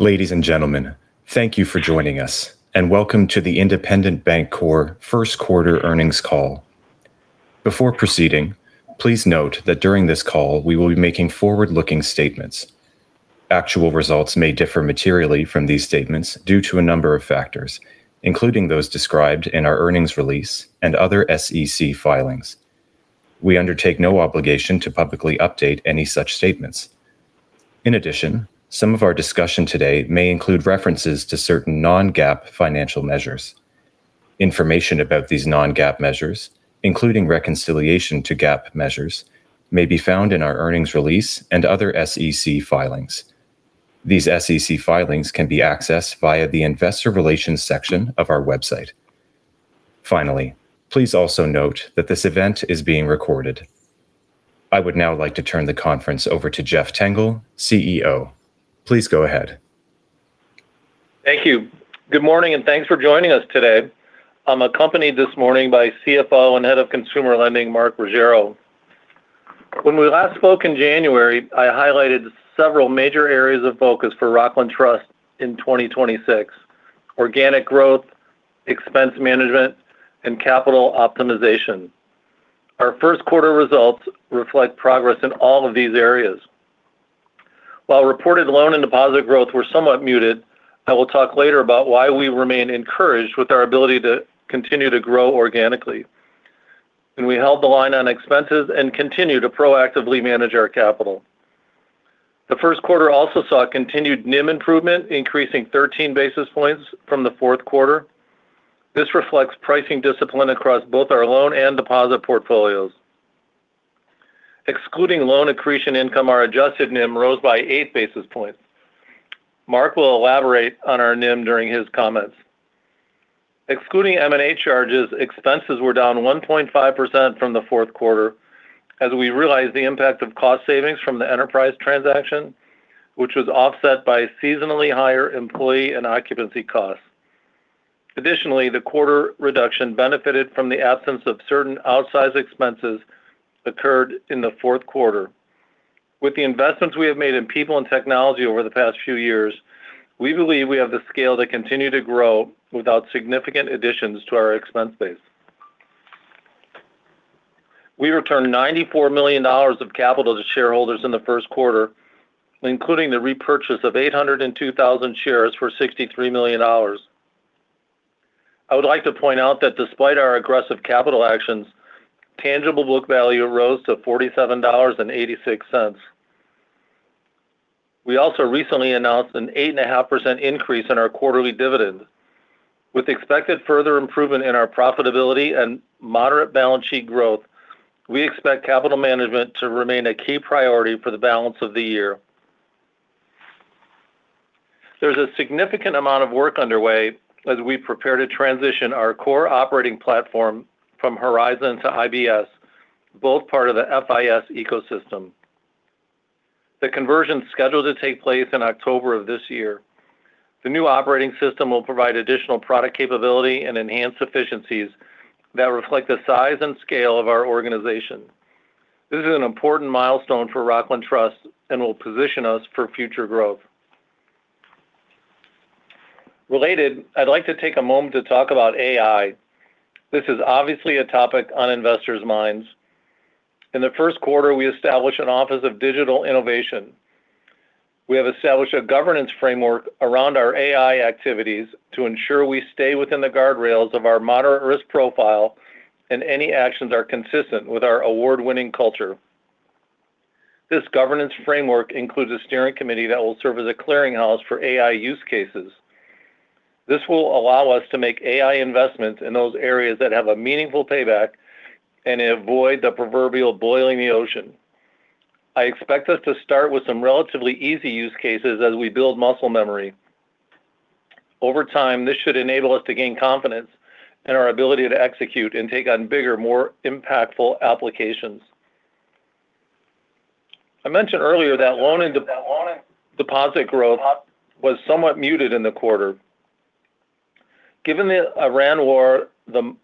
Ladies and gentlemen, thank you for joining us, and welcome to the Independent Bank Corp first quarter earnings call. Before proceeding, please note that during this call, we will be making forward-looking statements. Actual results may differ materially from these statements due to a number of factors, including those described in our earnings release and other SEC filings. We undertake no obligation to publicly update any such statements. In addition, some of our discussion today may include references to certain non-GAAP financial measures. Information about these non-GAAP measures, including reconciliation to GAAP measures, may be found in our earnings release and other SEC filings. These SEC filings can be accessed via the investor relations section of our website. Finally, please also note that this event is being recorded. I would now like to turn the conference over to Jeff Tengel, CEO. Please go ahead. Thank you. Good morning, and thanks for joining us today. I'm accompanied this morning by CFO and Head of Consumer Lending, Mark Ruggiero. When we last spoke in January, I highlighted several major areas of focus for Rockland Trust in 2026: organic growth, expense management, and capital optimization. Our first quarter results reflect progress in all of these areas. While reported loan and deposit growth were somewhat muted, I will talk later about why we remain encouraged with our ability to continue to grow organically. We held the line on expenses and continue to proactively manage our capital. The first quarter also saw continued NIM improvement, increasing 13 basis points from the fourth quarter. This reflects pricing discipline across both our loan and deposit portfolios. Excluding loan accretion income, our adjusted NIM rose by 8 basis points. Mark will elaborate on our NIM during his comments. Excluding M&A charges, expenses were down 1.5% from the fourth quarter, as we realized the impact of cost savings from the Enterprise transaction, which was offset by seasonally higher employee and occupancy costs. Additionally, the quarter reduction benefited from the absence of certain outsized expenses occurred in the fourth quarter. With the investments we have made in people and technology over the past few years, we believe we have the scale to continue to grow without significant additions to our expense base. We returned $94 million of capital to shareholders in the first quarter, including the repurchase of 802,000 shares for $63 million. I would like to point out that despite our aggressive capital actions, tangible book value rose to $47.86. We also recently announced an 8.5% increase in our quarterly dividend. With expected further improvement in our profitability and moderate balance sheet growth, we expect capital management to remain a key priority for the balance of the year. There's a significant amount of work underway as we prepare to transition our core operating platform from Horizon to IBS, both part of the FIS ecosystem. The conversion is scheduled to take place in October of this year. The new operating system will provide additional product capability and enhanced efficiencies that reflect the size and scale of our organization. This is an important milestone for Rockland Trust and will position us for future growth. Related, I'd like to take a moment to talk about AI. This is obviously a topic on investors' minds. In the first quarter, we established an Office of Digital Innovation. We have established a governance framework around our AI activities to ensure we stay within the guardrails of our moderate risk profile and any actions are consistent with our award-winning culture. This governance framework includes a steering committee that will serve as a clearinghouse for AI use cases. This will allow us to make AI investments in those areas that have a meaningful payback and avoid the proverbial boiling the ocean. I expect us to start with some relatively easy use cases as we build muscle memory. Over time, this should enable us to gain confidence in our ability to execute and take on bigger, more impactful applications. I mentioned earlier that loan and deposit growth was somewhat muted in the quarter. Given the Iran war, the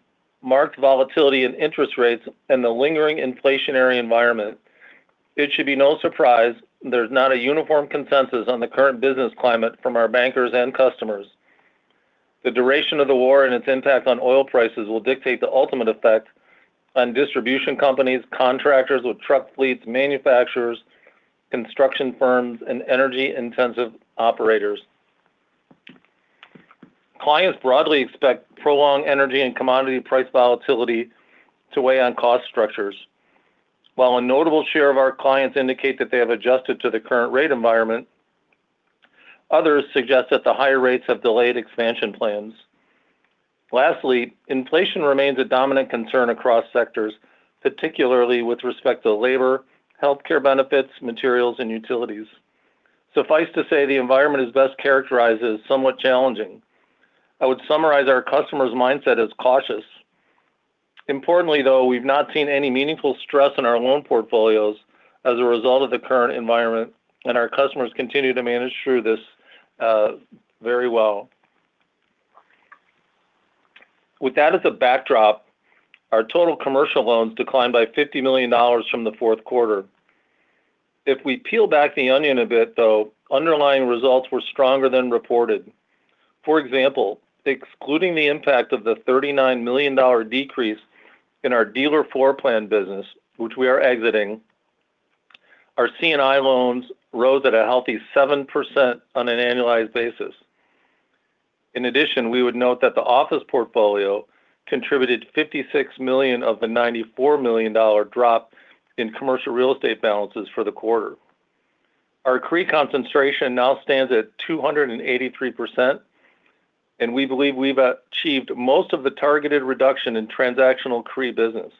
marked volatility in interest rates, and the lingering inflationary environment, it should be no surprise there's not a uniform consensus on the current business climate from our bankers and customers. The duration of the war and its impact on oil prices will dictate the ultimate effect on distribution companies, contractors with truck fleets, manufacturers, construction firms, and energy-intensive operators. Clients broadly expect prolonged energy and commodity price volatility to weigh on cost structures. While a notable share of our clients indicate that they have adjusted to the current rate environment, others suggest that the higher rates have delayed expansion plans. Lastly, inflation remains a dominant concern across sectors, particularly with respect to labor, healthcare benefits, materials, and utilities. Suffice to say, the environment is best characterized as somewhat challenging. I would summarize our customers' mindset as cautious. Importantly, though, we've not seen any meaningful stress in our loan portfolios as a result of the current environment, and our customers continue to manage through this very well. With that as a backdrop, our total commercial loans declined by $50 million from the fourth quarter. If we peel back the onion a bit, though, underlying results were stronger than reported. For example, excluding the impact of the $39 million decrease in our dealer floorplan business, which we are exiting, our C&I loans rose at a healthy 7% on an annualized basis. In addition, we would note that the office portfolio contributed $56 million of the $94 million drop in commercial real estate balances for the quarter. Our CRE concentration now stands at 283%, and we believe we've achieved most of the targeted reduction in transactional CRE business.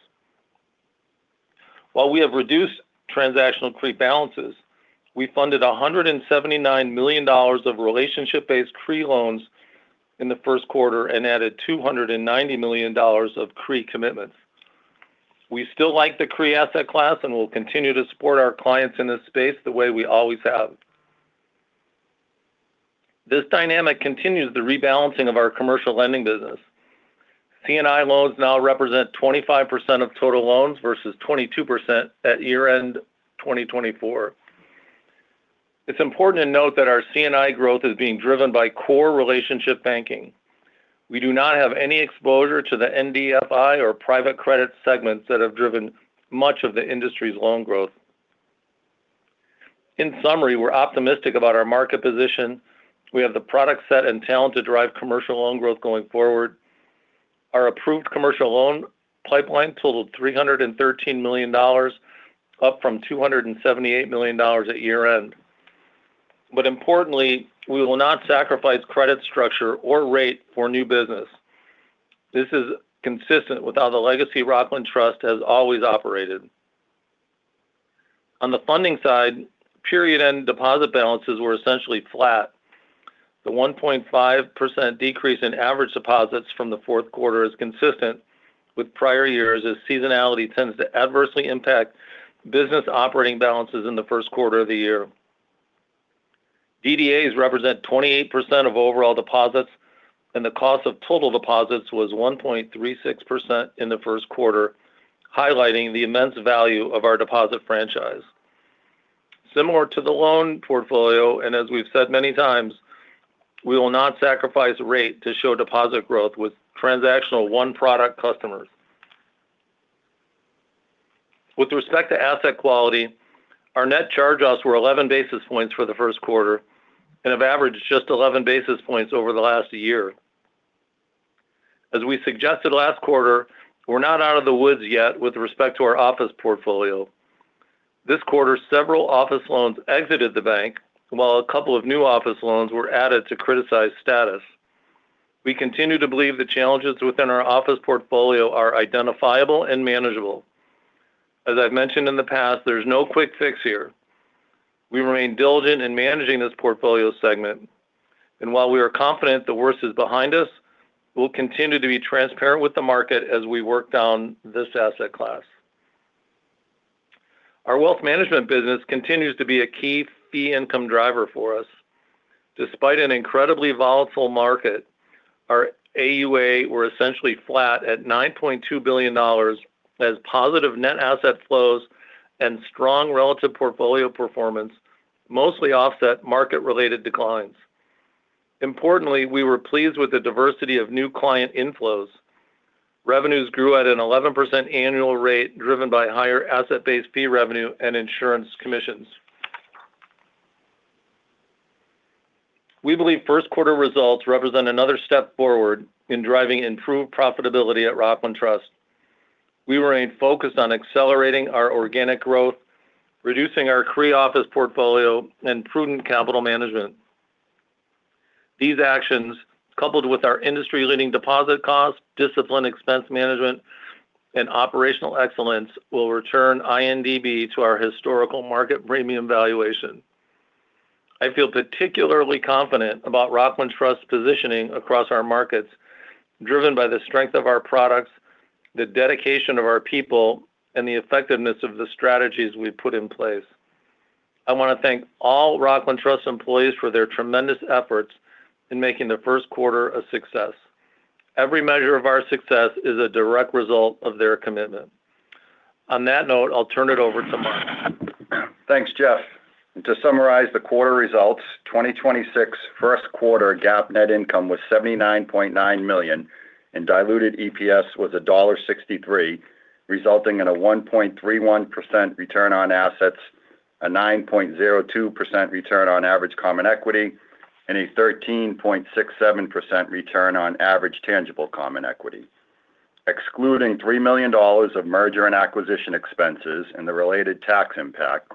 While we have reduced transactional CRE balances, we funded $179 million of relationship-based CRE loans in the first quarter and added $290 million of CRE commitments. We still like the CRE asset class and will continue to support our clients in this space the way we always have. This dynamic continues the rebalancing of our commercial lending business. C&I loans now represent 25% of total loans versus 22% at year-end 2024. It's important to note that our C&I growth is being driven by core relationship banking. We do not have any exposure to the NDFI or private credit segments that have driven much of the industry's loan growth. In summary, we're optimistic about our market position. We have the product set and talent to drive commercial loan growth going forward. Our approved commercial loan pipeline totaled $313 million, up from $278 million at year-end. Importantly, we will not sacrifice credit structure or rate for new business. This is consistent with how the legacy Rockland Trust has always operated. On the funding side, period end deposit balances were essentially flat. The 1.5% decrease in average deposits from the fourth quarter is consistent with prior years, as seasonality tends to adversely impact business operating balances in the first quarter of the year. DDAs represent 28% of overall deposits, and the cost of total deposits was 1.36% in the first quarter, highlighting the immense value of our deposit franchise. Similar to the loan portfolio, and as we've said many times, we will not sacrifice rate to show deposit growth with transactional one-product customers. With respect to asset quality, our net charge-offs were 11 basis points for the first quarter and have averaged just 11 basis points over the last year. As we suggested last quarter, we're not out of the woods yet with respect to our office portfolio. This quarter, several office loans exited the bank while a couple of new office loans were added to criticized status. We continue to believe the challenges within our office portfolio are identifiable and manageable. As I've mentioned in the past, there's no quick fix here. We remain diligent in managing this portfolio segment, and while we are confident the worst is behind us, we'll continue to be transparent with the market as we work down this asset class. Our wealth management business continues to be a key fee income driver for us. Despite an incredibly volatile market, our AUA were essentially flat at $9.2 billion as positive net asset flows and strong relative portfolio performance mostly offset market-related declines. Importantly, we were pleased with the diversity of new client inflows. Revenues grew at an 11% annual rate, driven by higher asset-based fee revenue and insurance commissions. We believe first quarter results represent another step forward in driving improved profitability at Rockland Trust. We remain focused on accelerating our organic growth, reducing our CRE office portfolio and prudent capital management. These actions, coupled with our industry-leading deposit costs, disciplined expense management, and operational excellence, will return INDB to our historical market premium valuation. I feel particularly confident about Rockland Trust's positioning across our markets, driven by the strength of our products, the dedication of our people, and the effectiveness of the strategies we've put in place. I want to thank all Rockland Trust employees for their tremendous efforts in making the first quarter a success. Every measure of our success is a direct result of their commitment. On that note, I'll turn it over to Mark. Thanks, Jeff. To summarize the quarter results, 2026 first quarter GAAP net income was $79.9 million and diluted EPS was $1.63, resulting in a 1.31% return on assets, a 9.02% return on average common equity, and a 13.67% return on average tangible common equity. Excluding $3 million of merger and acquisition expenses and the related tax impact,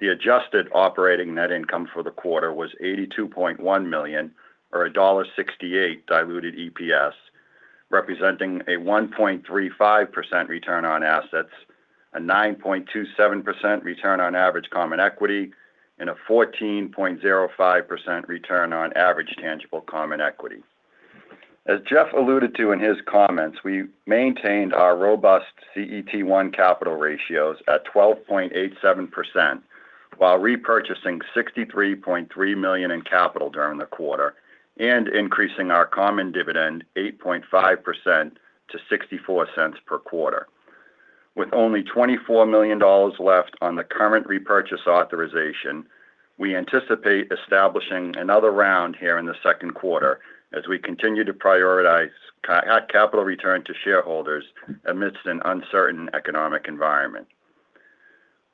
the adjusted operating net income for the quarter was $82.1 million or $1.68 diluted EPS, representing a 1.35% return on assets, a 9.27% return on average common equity, and a 14.05% return on average tangible common equity. As Jeff alluded to in his comments, we maintained our robust CET1 capital ratios at 12.87%. While repurchasing $63.3 million in capital during the quarter and increasing our common dividend 8.5% to $0.64/quarter. With only $24 million left on the current repurchase authorization, we anticipate establishing another round here in the second quarter as we continue to prioritize capital return to shareholders amidst an uncertain economic environment.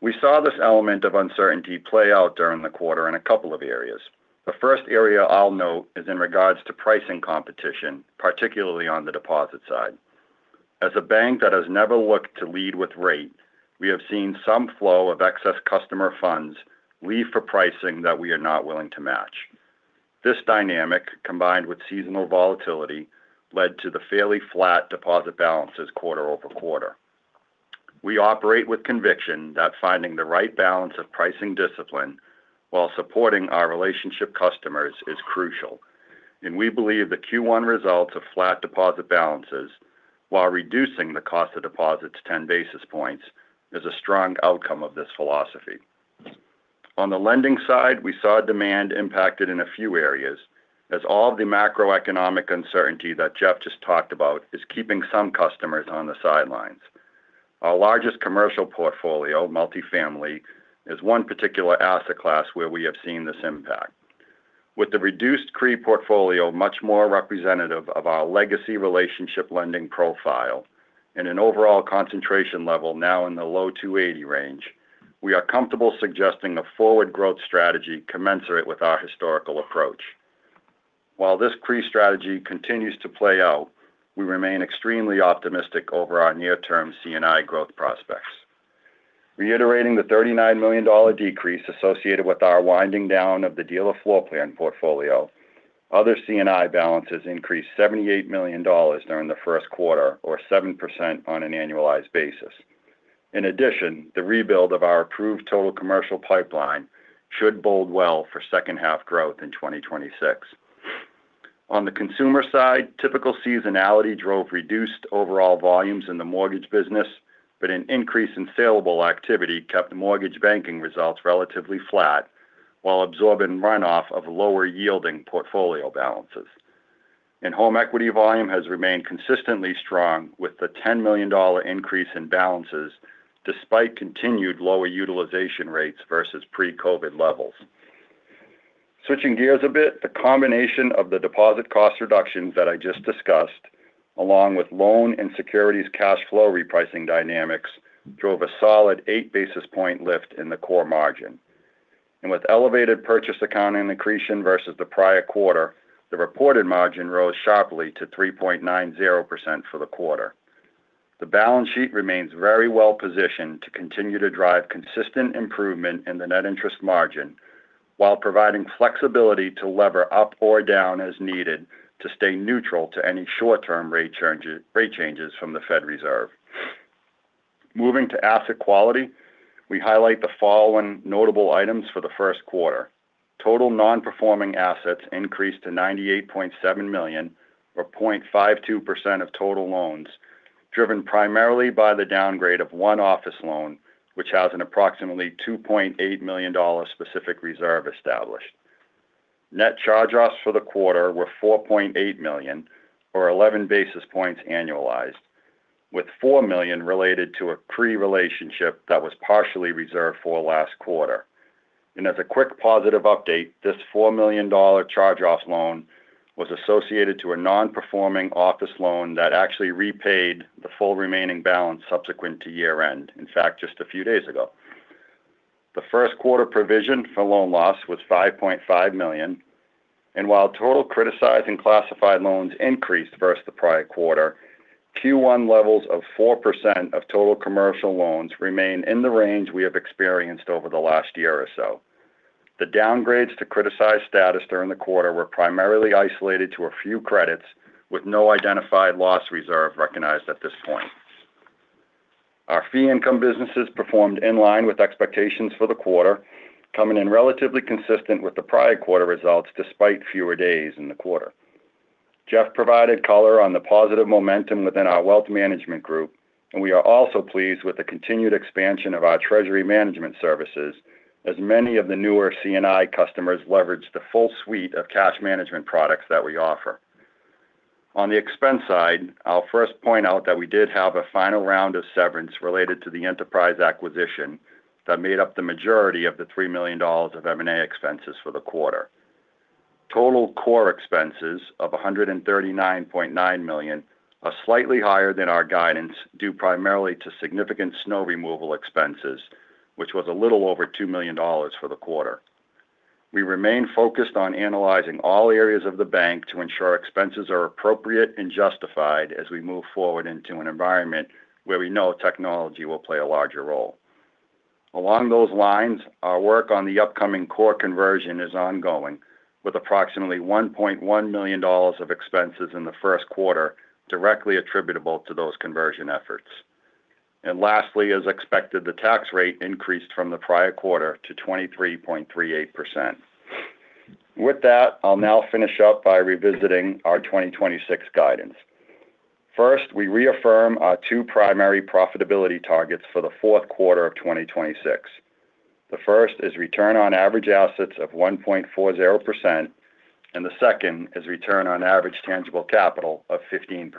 We saw this element of uncertainty play out during the quarter in a couple of areas. The first area I'll note is in regards to pricing competition, particularly on the deposit side. As a bank that has never looked to lead with rate, we have seen some flow of excess customer funds leave for pricing that we are not willing to match. This dynamic, combined with seasonal volatility, led to the fairly flat deposit balances quarter-over-quarter. We operate with conviction that finding the right balance of pricing discipline while supporting our relationship customers is crucial, and we believe the Q1 results of flat deposit balances while reducing the cost of deposits 10 basis points is a strong outcome of this philosophy. On the lending side, we saw demand impacted in a few areas as all of the macroeconomic uncertainty that Jeff just talked about is keeping some customers on the sidelines. Our largest commercial portfolio, multifamily, is one particular asset class where we have seen this impact. With the reduced CRE portfolio much more representative of our legacy relationship lending profile and an overall concentration level now in the low $280 million range, we are comfortable suggesting a forward growth strategy commensurate with our historical approach. While this CRE strategy continues to play out, we remain extremely optimistic over our near-term C&I growth prospects. Reiterating the $39 million decrease associated with our winding down of the dealer floorplan portfolio, other C&I balances increased $78 million during the first quarter, or 7% on an annualized basis. In addition, the rebuild of our approved total commercial pipeline should bode well for second half growth in 2026. On the consumer side, typical seasonality drove reduced overall volumes in the mortgage business, but an increase in salable activity kept mortgage banking results relatively flat while absorbing runoff of lower yielding portfolio balances. Home equity volume has remained consistently strong with the $10 million increase in balances despite continued lower utilization rates versus pre-COVID levels. Switching gears a bit, the combination of the deposit cost reductions that I just discussed, along with loan and securities cash flow repricing dynamics, drove a solid 8 basis points lift in the core margin. With elevated purchase accounting accretion versus the prior quarter, the reported margin rose sharply to 3.90% for the quarter. The balance sheet remains very well positioned to continue to drive consistent improvement in the net interest margin while providing flexibility to lever up or down as needed to stay neutral to any short-term rate changes from the Federal Reserve. Moving to asset quality, we highlight the following notable items for the first quarter. Total non-performing assets increased to $98.7 million or 0.52% of total loans, driven primarily by the downgrade of one office loan, which has an approximately $2.8 million specific reserve established. Net charge-offs for the quarter were $4.8 million or 11 basis points annualized, with $4 million related to a pre-relationship that was partially reserved for last quarter. As a quick positive update, this $4 million charge-off loan was associated to a non-performing office loan that actually repaid the full remaining balance subsequent to year-end, in fact, just a few days ago. The first quarter provision for loan loss was $5.5 million. While total criticized and classified loans increased versus the prior quarter, Q1 levels of 4% of total commercial loans remain in the range we have experienced over the last year or so. The downgrades to criticized status during the quarter were primarily isolated to a few credits with no identified loss reserve recognized at this point. Our fee income businesses performed in line with expectations for the quarter, coming in relatively consistent with the prior quarter results despite fewer days in the quarter. Jeff provided color on the positive momentum within our wealth management group, and we are also pleased with the continued expansion of our treasury management services as many of the newer C&I customers leverage the full suite of cash management products that we offer. On the expense side, I'll first point out that we did have a final round of severance related to the Enterprise acquisition that made up the majority of the $3 million of M&A expenses for the quarter. Total core expenses of $139.9 million are slightly higher than our guidance, due primarily to significant snow removal expenses, which was a little over $2 million for the quarter. We remain focused on analyzing all areas of the bank to ensure expenses are appropriate and justified as we move forward into an environment where we know technology will play a larger role. Along those lines, our work on the upcoming core conversion is ongoing, with approximately $1.1 million of expenses in the first quarter directly attributable to those conversion efforts. Lastly, as expected, the tax rate increased from the prior quarter to 23.38%. With that, I'll now finish up by revisiting our 2026 guidance. First, we reaffirm our two primary profitability targets for the fourth quarter of 2026. The first is return on average assets of 1.40%, and the second is return on average tangible capital of 15%.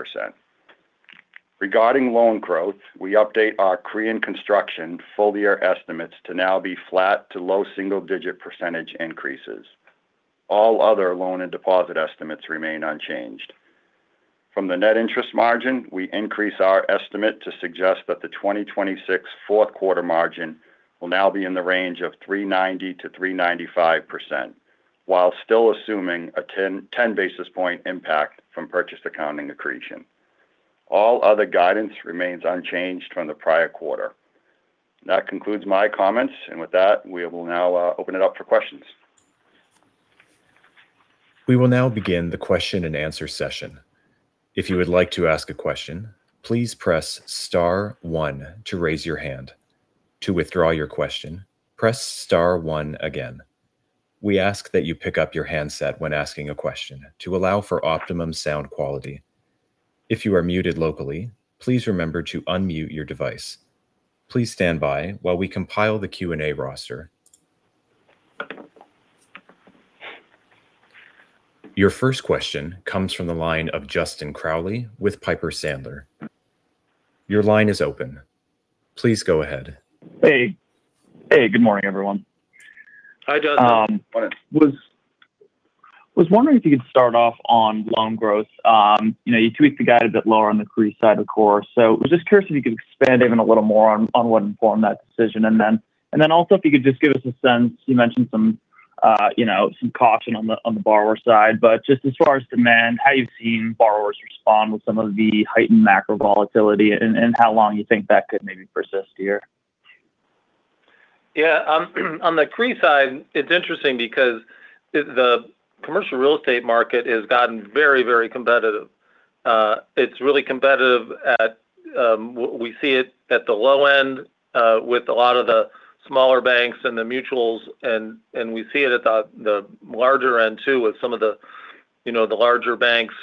Regarding loan growth, we update our CRE and construction full year estimates to now be flat to low single-digit percentage increases. All other loan and deposit estimates remain unchanged. From the net interest margin, we increase our estimate to suggest that the 2026 fourth quarter margin will now be in the range of 3.90%-3.95%, while still assuming a 10 basis point impact from purchase accounting accretion. All other guidance remains unchanged from the prior quarter. That concludes my comments, and with that, we will now open it up for questions. We will now begin the question and answer session. If you would like to ask a question, please press star one to raise your hand. To withdraw your question, press star one again. We ask that you pick up your handset when asking a question to allow for optimum sound quality. If you are muted locally, please remember to unmute your device. Please stand by while we compile the Q&A roster. Your first question comes from the line of Justin Crowley with Piper Sandler. Your line is open. Please go ahead. Hey. Good morning, everyone. Hi, Justin. I was wondering if you could start off on loan growth? You tweaked the guide a bit lower on the CRE side, of course. Was just curious if you could expand even a little more on what informed that decision? Also if you could just give us a sense, you mentioned some caution on the borrower side, but just as far as demand, how you've seen borrowers respond with some of the heightened macro volatility and how long you think that could maybe persist here? Yeah. On the CRE side, it's interesting because the commercial real estate market has gotten very, very competitive. It's really competitive. We see it at the low end with a lot of the smaller banks and the mutuals and we see it at the larger end too with some of the larger banks.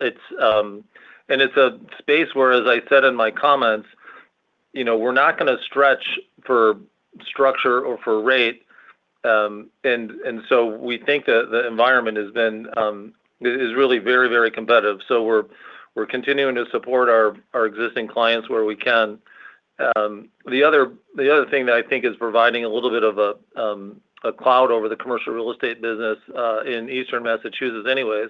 It's a space where, as I said in my comments, we're not going to stretch for structure or for rate. We think the environment is really very, very competitive. We're continuing to support our existing clients where we can. The other thing that I think is providing a little bit of a cloud over the commercial real estate business, in Eastern Massachusetts anyways,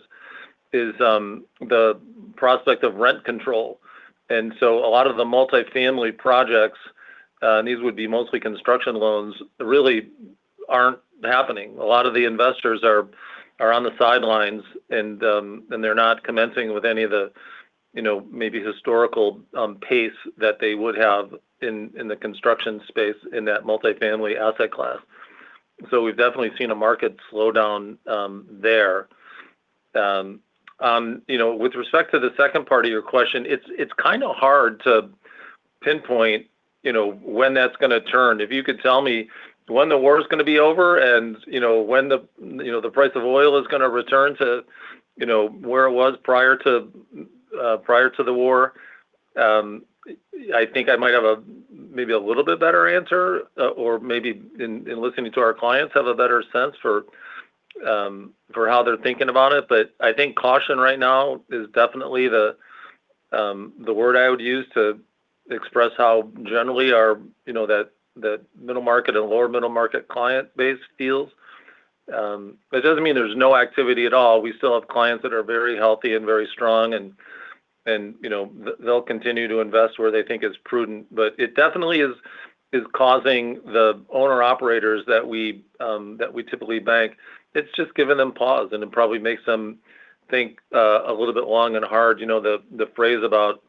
is the prospect of rent control. A lot of the multifamily projects, and these would be mostly construction loans, really aren't happening. A lot of the investors are on the sidelines and they're not commencing with any of the maybe historical pace that they would have in the construction space in that multifamily asset class. We've definitely seen a market slowdown there. With respect to the second part of your question, it's kind of hard to pinpoint when that's going to turn. If you could tell me when the war's going to be over and when the price of oil is going to return to where it was prior to the war, I think I might have maybe a little bit better answer, maybe in listening to our clients, have a better sense for how they're thinking about it. I think caution right now is definitely the word I would use to express how generally that middle market and lower middle market client base feels. It doesn't mean there's no activity at all. We still have clients that are very healthy and very strong and they'll continue to invest where they think is prudent. It definitely is causing the owner-operators that we typically bank, it's just giving them pause and it probably makes them think a little bit long and hard. The phrase about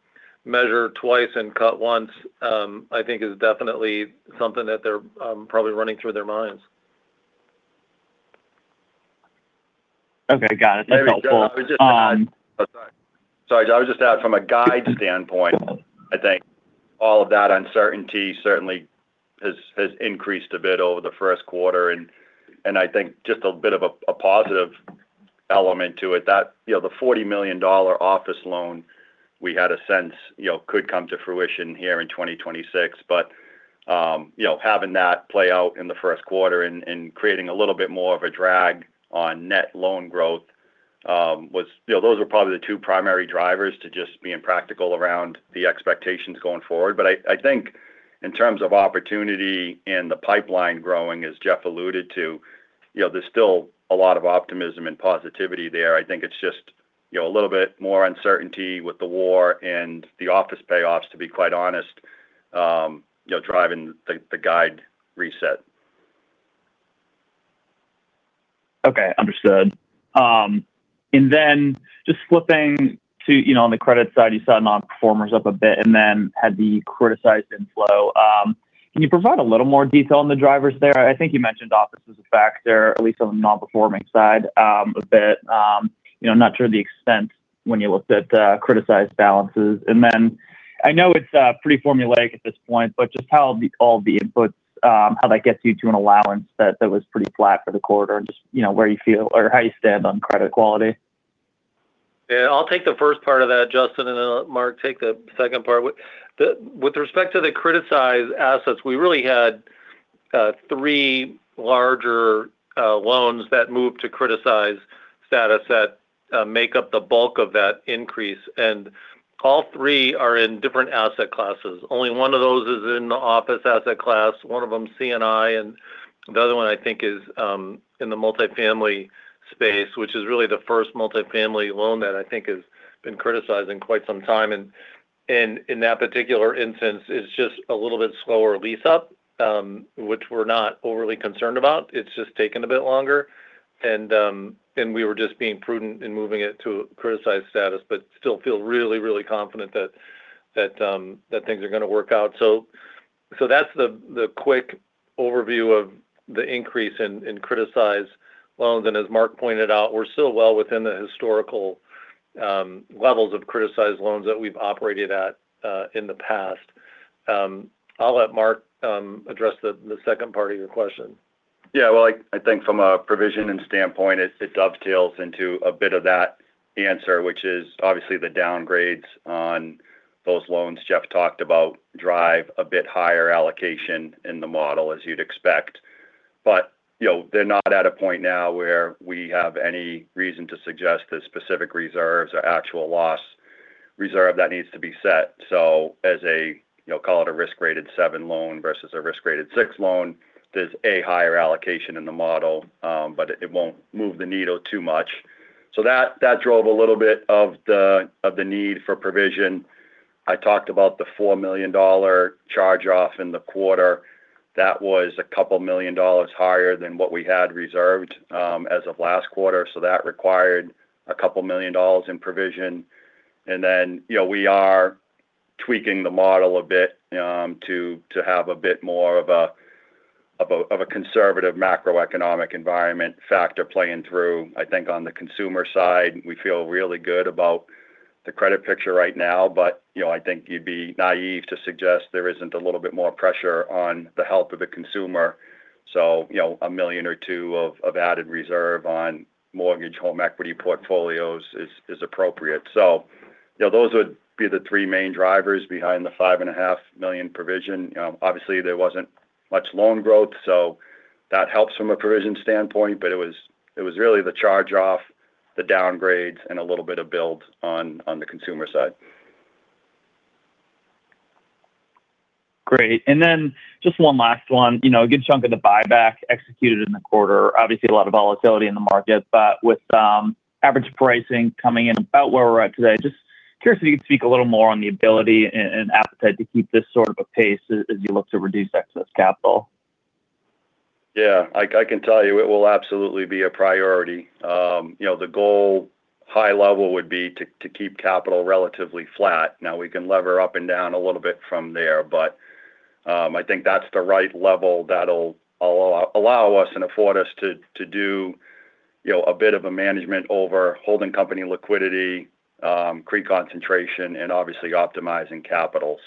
measure twice and cut once, I think is definitely something that they're probably running through their minds. Okay. Got it. That's helpful. Sorry. I would just add from a guide standpoint, I think all of that uncertainty certainly has increased a bit over the first quarter and I think just a bit of a positive element to it that the $40 million office loan we had a sense could come to fruition here in 2026. Having that play out in the first quarter and creating a little bit more of a drag on net loan growth was. Those were probably the two primary drivers to just being practical around the expectations going forward. I think in terms of opportunity and the pipeline growing as Jeff alluded to, there's still a lot of optimism and positivity there. I think it's just a little bit more uncertainty with the war and the office payoffs to be quite honest driving the guide reset. Okay. Understood. Just flipping to the credit side, you saw nonperformers up a bit and then had the criticized inflow. Can you provide a little more detail on the drivers there? I think you mentioned office was a factor, at least on the non-performing side a bit. I'm not sure the extent when you looked at criticized balances. I know it's pretty formulaic at this point, but just how all the inputs, how that gets you to an allowance that was pretty flat for the quarter and just where you feel or how you stand on credit quality? Yeah, I'll take the first part of that, Justin, and then Mark take the second part. With respect to the criticized assets, we really had three larger loans that moved to criticize status that make up the bulk of that increase. All three are in different asset classes. Only one of those is in the office asset class, one of them C&I, and the other one I think is in the multifamily space, which is really the first multifamily loan that I think has been criticized in quite some time. In that particular instance, it's just a little bit slower lease up, which we're not overly concerned about. It's just taken a bit longer, and we were just being prudent in moving it to criticize status, but still feel really, really confident that things are going to work out. That's the quick overview of the increase in criticized loans. As Mark pointed out, we're still well within the historical levels of criticized loans that we've operated at in the past. I'll let Mark address the second part of your question. Yeah. Well, I think from a provisioning standpoint, it dovetails into a bit of that answer, which is obviously the downgrades on those loans Jeff talked about drive a bit higher allocation in the model as you'd expect. They're not at a point now where we have any reason to suggest the specific reserves or actual loss reserve that needs to be set. As a, call it a risk-rated seven loan versus a risk-rated six loan, there's a higher allocation in the model, but it won't move the needle too much. That drove a little bit of the need for provision. I talked about the $4 million charge-off in the quarter. That was a couple million dollars higher than what we had reserved as of last quarter. That required a couple million dollars in provision. Then we are tweaking the model a bit to have a bit more of a conservative macroeconomic environment factor playing through. I think on the consumer side, we feel really good about the credit picture right now. I think you'd be naive to suggest there isn't a little bit more pressure on the health of the consumer. $1 million or $2 million of added reserve on mortgage home equity portfolios is appropriate. Those would be the three main drivers behind the $5.5 million provision. Obviously, there wasn't much loan growth, so that helps from a provision standpoint, but it was really the charge-off, the downgrades, and a little bit of build on the consumer side. Great. Just one last one. A good chunk of the buyback executed in the quarter. Obviously, a lot of volatility in the market, but with average pricing coming in about where we're at today, just curious if you could speak a little more on the ability and appetite to keep this sort of a pace as you look to reduce excess capital? Yeah. I can tell you it will absolutely be a priority. The goal high level would be to keep capital relatively flat. We can lever up and down a little bit from there, but I think that's the right level that'll allow us and afford us to do a bit of a management over holding company liquidity, CRE concentration, and obviously optimizing capital.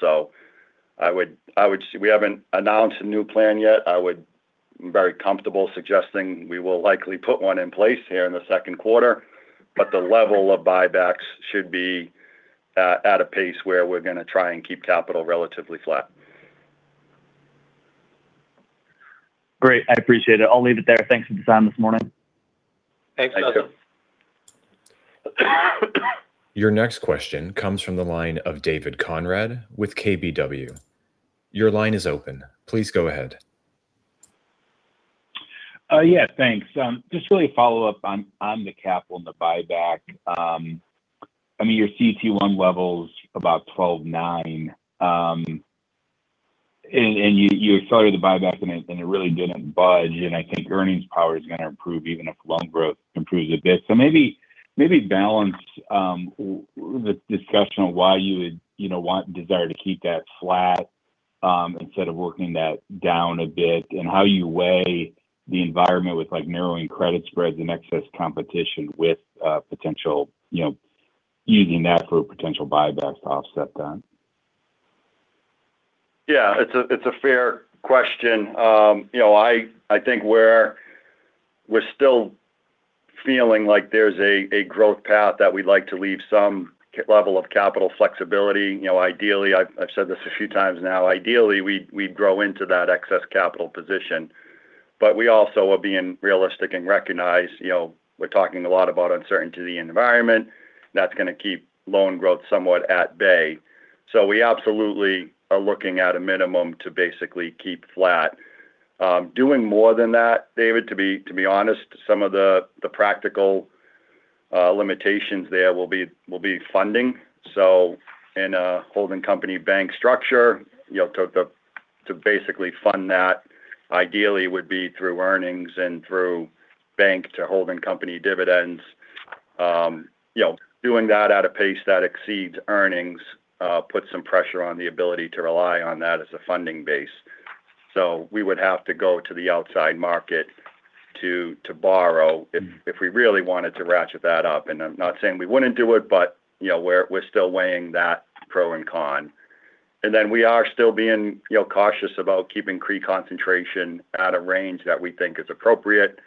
We haven't announced a new plan yet. I would be very comfortable suggesting we will likely put one in place here in the second quarter. The level of buybacks should be at a pace where we're going to try and keep capital relatively flat. Great. I appreciate it. I'll leave it there. Thanks for the time this morning. Thanks, Justin. Thank you. Your next question comes from the line of David Konrad with KBW. Your line is open. Please go ahead. Yeah, thanks. Just really a follow-up on the capital and the buyback. Your CET1 level's about 12.9%. You accelerated the buyback and it really didn't budge, and I think earnings power is going to improve even if loan growth improves a bit. Maybe balance the discussion on why you would desire to keep that flat instead of working that down a bit, and how you weigh the environment with narrowing credit spreads and excess competition with using that for a potential buyback to offset that. Yeah. It's a fair question. I think we're still feeling like there's a growth path that we'd like to leave some level of capital flexibility. I've said this a few times now. Ideally, we'd grow into that excess capital position. We also are being realistic and recognize we're talking a lot about uncertainty in the environment. That's going to keep loan growth somewhat at bay. We absolutely are looking at a minimum to basically keep flat. Doing more than that, David, to be honest, some of the practical limitations there will be funding. In a holding company bank structure, to basically fund that ideally would be through earnings and through bank to holding company dividends. Doing that at a pace that exceeds earnings puts some pressure on the ability to rely on that as a funding base. We would have to go to the outside market to borrow if we really wanted to ratchet that up. I'm not saying we wouldn't do it, but we're still weighing that pro and con. We are still being cautious about keeping CRE concentration at a range that we think is appropriate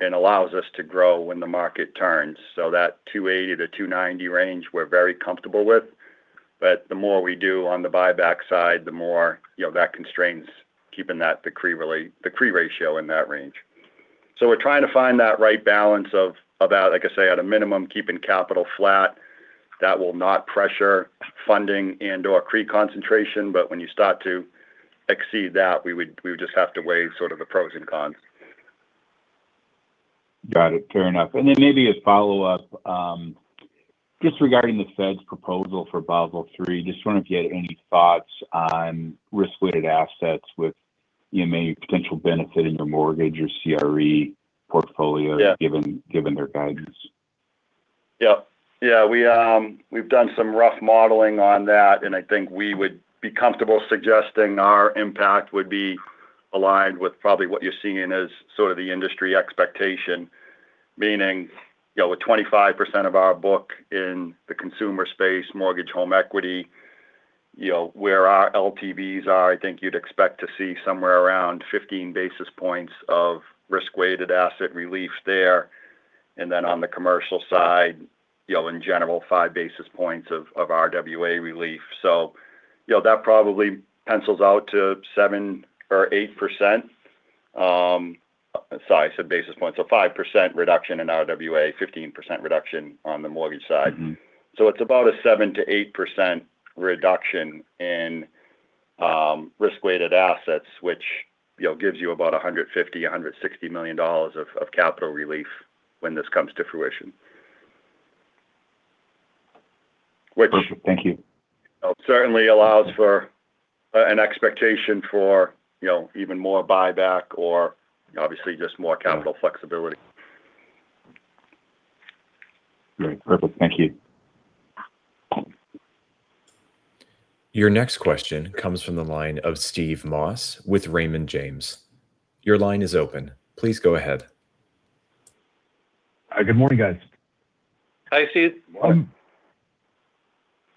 and allows us to grow when the market turns. That $280 million-$290 million range, we're very comfortable with. The more we do on the buyback side, the more that constrains keeping the CRE ratio in that range. We're trying to find that right balance of about, like I say, at a minimum, keeping capital flat. That will not pressure funding and/or CRE concentration. When you start to exceed that, we would just have to weigh sort of the pros and cons. Got it. Fair enough. Maybe a follow-up. Just regarding the Fed's proposal for Basel III, just wondering if you had any thoughts on risk-weighted assets with potential benefit in your mortgage or CRE portfolio- Yeah. -given their guidance? Yeah. We've done some rough modeling on that, and I think we would be comfortable suggesting our impact would be aligned with probably what you're seeing as sort of the industry expectation. Meaning, with 25% of our book in the consumer space, mortgage home equity, where our LTVs are, I think you'd expect to see somewhere around 15 basis points of risk-weighted asset relief there. On the commercial side, in general, 5 basis points of RWA relief. That probably pencils out to 7% or 8%. Sorry, I said basis points. 5% reduction in RWA, 15% reduction on the mortgage side. Mm-hmm. It's about a 7%-8% reduction in risk-weighted assets, which gives you about $150 million-$160 million of capital relief when this comes to fruition. Perfect. Thank you. Certainly allows for an expectation for even more buyback or obviously just more capital flexibility. Great. Perfect. Thank you. Your next question comes from the line of Steve Moss with Raymond James. Your line is open. Please go ahead. Good morning, guys. Hi, Steve. Morning.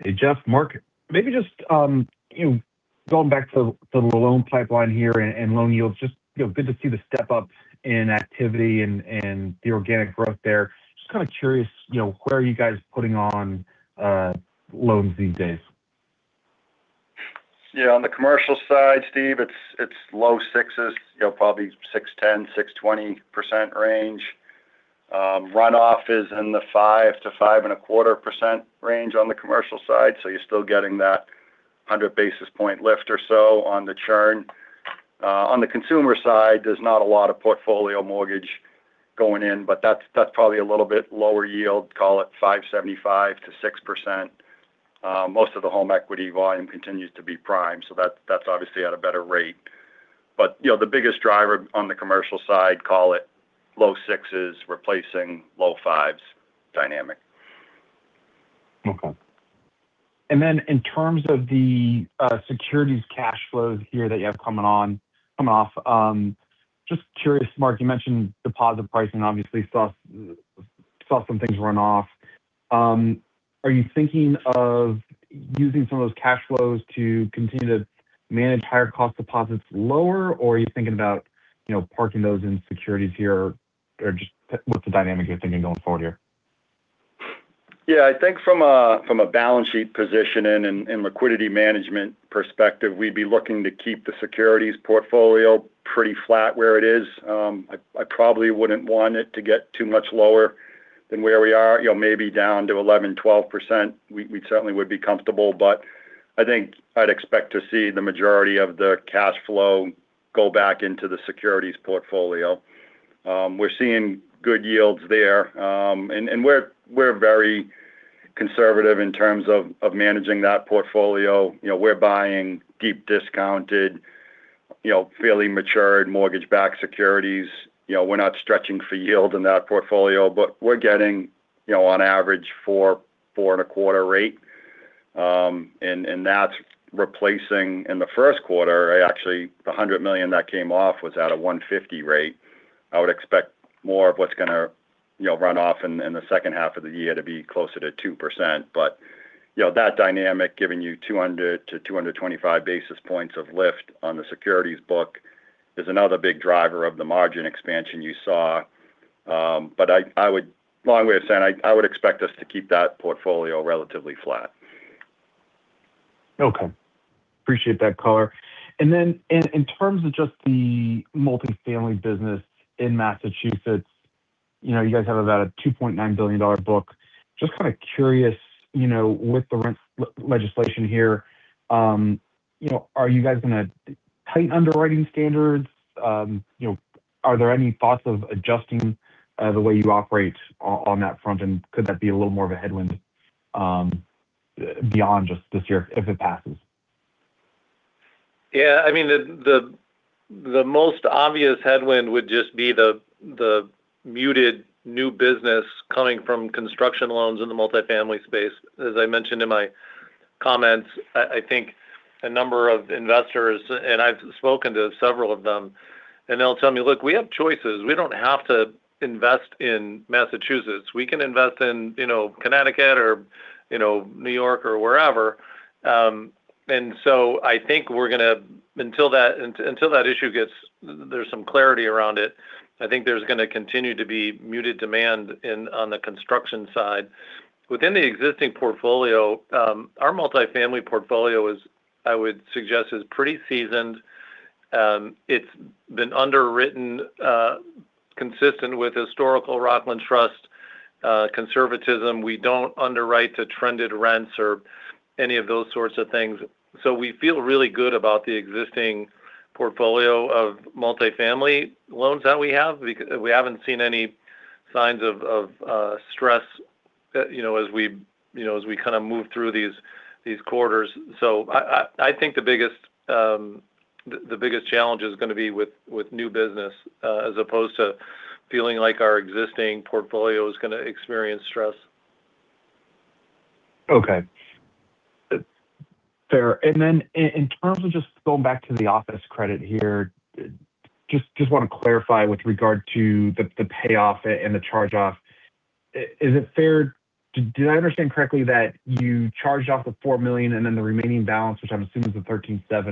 Hey, Jeff, Mark. Maybe just going back to the loan pipeline here and loan yields, just good to see the step up in activity and the organic growth there. Just kind of curious, where are you guys putting on loans these days? Yeah. On the commercial side, Steve, it's low sixes, probably 6.10%-6.20% range. Runoff is in the 5%-5.25% range on the commercial side, so you're still getting that 100 basis point lift or so on the churn. On the consumer side, there's not a lot of portfolio mortgage going in, but that's probably a little bit lower yield, call it 5.75%-6%. Most of the home equity volume continues to be prime, so that's obviously at a better rate. The biggest driver on the commercial side, call it low sixes replacing low fives dynamic. Okay. In terms of the securities cash flows here that you have coming off, just curious, Mark, you mentioned deposit pricing, obviously saw some things run off. Are you thinking of using some of those cash flows to continue to manage higher cost deposits lower, or are you thinking about parking those in securities here, or just what's the dynamic you're thinking going forward here? Yeah, I think from a balance sheet positioning and liquidity management perspective, we'd be looking to keep the securities portfolio pretty flat where it is. I probably wouldn't want it to get too much lower than where we are. Maybe down to 11%-12%, we certainly would be comfortable. I think I'd expect to see the majority of the cash flow go back into the securities portfolio. We're seeing good yields there. We're very conservative in terms of managing that portfolio. We're buying deeply discounted, fairly mature mortgage-backed securities. We're not stretching for yield in that portfolio. But we're getting, on average, 4.25% rate. That's replacing in the first quarter, actually, the $100 million that came off was at a 1.50% rate. I would expect more of what's going to run off in the second half of the year to be closer to 2%. That dynamic giving you 200 basis points-225 basis points of lift on the securities book is another big driver of the margin expansion you saw. Long way of saying, I would expect us to keep that portfolio relatively flat. Okay. Appreciate that color. In terms of just the multifamily business in Massachusetts, you guys have about a $2.9 billion book. Just kind of curious, with the rent legislation here, are you guys going to tighten underwriting standards? Are there any thoughts of adjusting the way you operate on that front, and could that be a little more of a headwind beyond just this year if it passes? Yeah, the most obvious headwind would just be the muted new business coming from construction loans in the multifamily space. As I mentioned in my comments, I think a number of investors, and I've spoken to several of them. They'll tell me, "Look, we have choices. We don't have to invest in Massachusetts. We can invest in Connecticut or New York or wherever." I think until that issue gets, there's some clarity around it, I think there's going to continue to be muted demand on the construction side. Within the existing portfolio, our multifamily portfolio is, I would suggest, pretty seasoned. It's been underwritten consistent with historical Rockland Trust conservatism. We don't underwrite to trended rents or any of those sorts of things. We feel really good about the existing portfolio of multifamily loans that we have. We haven't seen any signs of stress as we kind of move through these quarters. I think the biggest challenge is going to be with new business as opposed to feeling like our existing portfolio is going to experience stress. Okay. Fair. In terms of just going back to the office credit here, I just want to clarify with regard to the payoff and the charge-off, did I understand correctly that you charged off the $4 million and then the remaining balance, which I'm assuming is the $13.7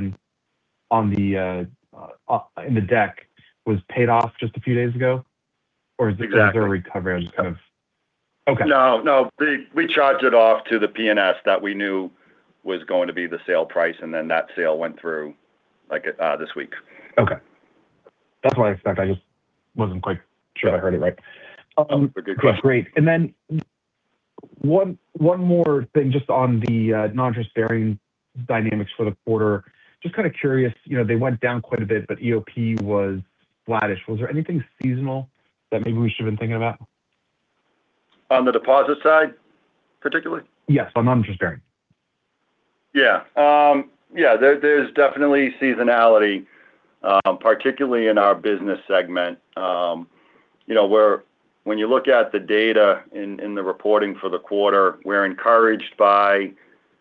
million in the deck, was paid off just a few days ago? Or is there- Exactly. -a recovery? I'm just kind of okay. No. We charged it off to the P&S that we knew was going to be the sale price, and then that sale went through this week. Okay. That's what I expect. I just wasn't quite sure I heard it right. No, you're good. Great. One more thing just on the non-interest-bearing dynamics for the quarter, just kind of curious. They went down quite a bit, but EOP was flattish. Was there anything seasonal that maybe we should've been thinking about? On the deposit side particularly? Yes, on non-interest-bearing. Yeah. There's definitely seasonality, particularly in our business segment, where when you look at the data in the reporting for the quarter, we're encouraged by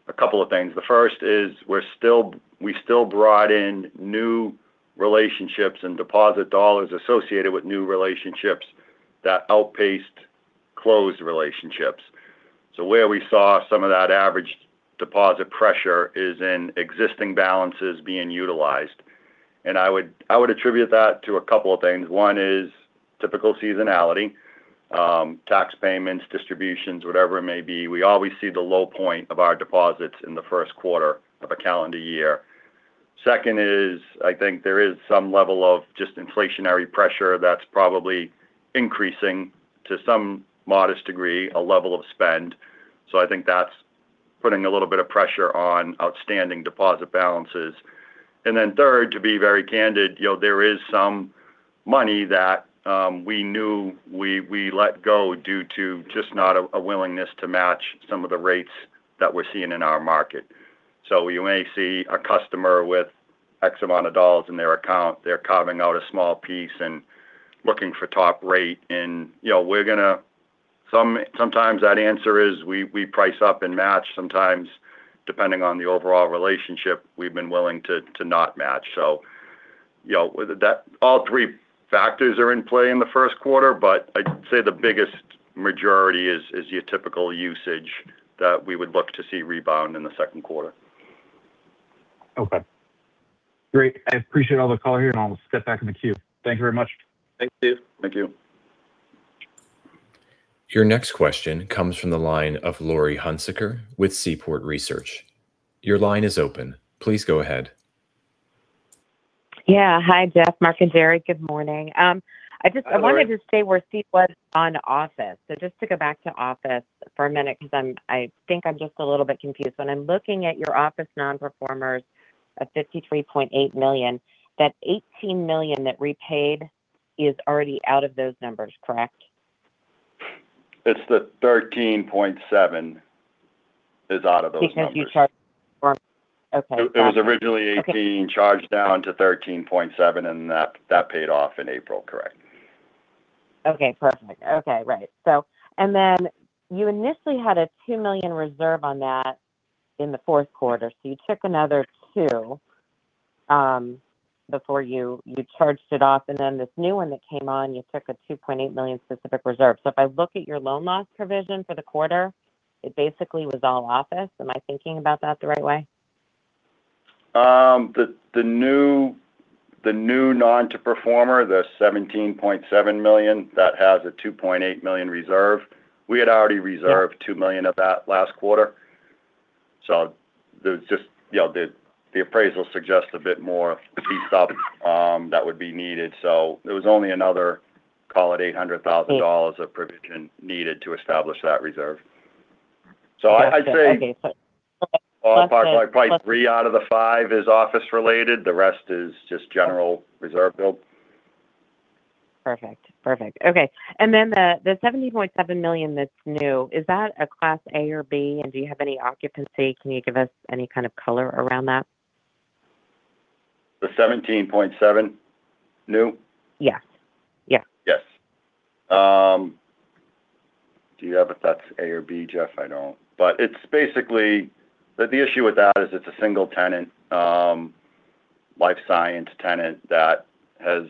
a couple of things. The first is we still brought in new relationships and deposit dollars associated with new relationships that outpaced closed relationships. Where we saw some of that average deposit pressure is in existing balances being utilized. I would attribute that to a couple of things. One is typical seasonality, tax payments, distributions, whatever it may be. We always see the low point of our deposits in the first quarter of a calendar year. Second is, I think there is some level of just inflationary pressure that's probably increasing, to some modest degree, a level of spend. I think that's putting a little bit of pressure on outstanding deposit balances. Third, to be very candid, there is some money that we knew we let go due to just not a willingness to match some of the rates that we're seeing in our market. You may see a customer with X amount of dollars in their account. They're carving out a small piece and looking for top rate. Sometimes that answer is we price up and match. Sometimes, depending on the overall relationship, we've been willing to not match. All three factors are in play in the first quarter, but I'd say the biggest majority is your typical usage that we would look to see rebound in the second quarter. Okay. Great. I appreciate all the color here, and I'll step back in the queue. Thank you very much. Thank you. Thank you. Your next question comes from the line of Laurie Hunsicker with Seaport Research. Your line is open. Please go ahead. Yeah. Hi, Jeff, Mark, and Derek. Good morning. Hi, Laurie. I wanted to stay where Steve was on office. Just to go back to office for a minute because I think I'm just a little bit confused. When I'm looking at your office non-performers of $53.8 million, that $18 million that repaid is already out of those numbers, correct? It's the $13.7 million is out of those numbers. Okay. Got it. It was originally $18 million, charged down to $13.7 million, and that paid off in April, correct. Okay, perfect. Okay, right. You initially had a $2 million reserve on that in the fourth quarter. You took another $2 million before you charged it off. This new one that came on, you took a $2.8 million specific reserve. If I look at your loan loss provision for the quarter, it basically was all office. Am I thinking about that the right way? The new non-performer, the $17.7 million, that has a $2.8 million reserve. We had already reserved $2 million of that last quarter. The appraisal suggests a bit more beefed up that would be needed. It was only another, call it $800,000 of provision needed to establish that reserve. I'd say. Okay. Got it. All in, probably three out of the five is office-related. The rest is just general reserve build. Perfect. Okay. The $17.7 million that's new, is that a Class A or B, and do you have any occupancy? Can you give us any kind of color around that? The $17.7 million new? Yes. Yes. Do you know if that's A or B, Jeff? I don't. The issue with that is it's a single tenant, life science tenant that has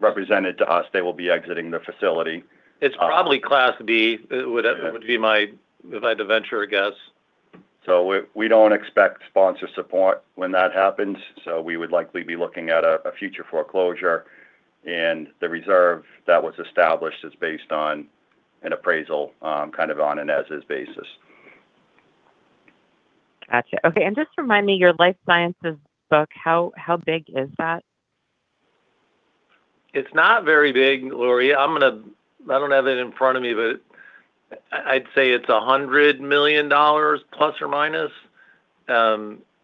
represented to us they will be exiting the facility. It's probably Class B, would be my venture guess. We don't expect sponsor support when that happens. We would likely be looking at a future foreclosure, and the reserve that was established is based on an appraisal, kind of on an as-is basis. Got you. Okay, just remind me, your life sciences book, how big is that? It's not very big, Laurie. I don't have it in front of me, but I'd say it's $100± million.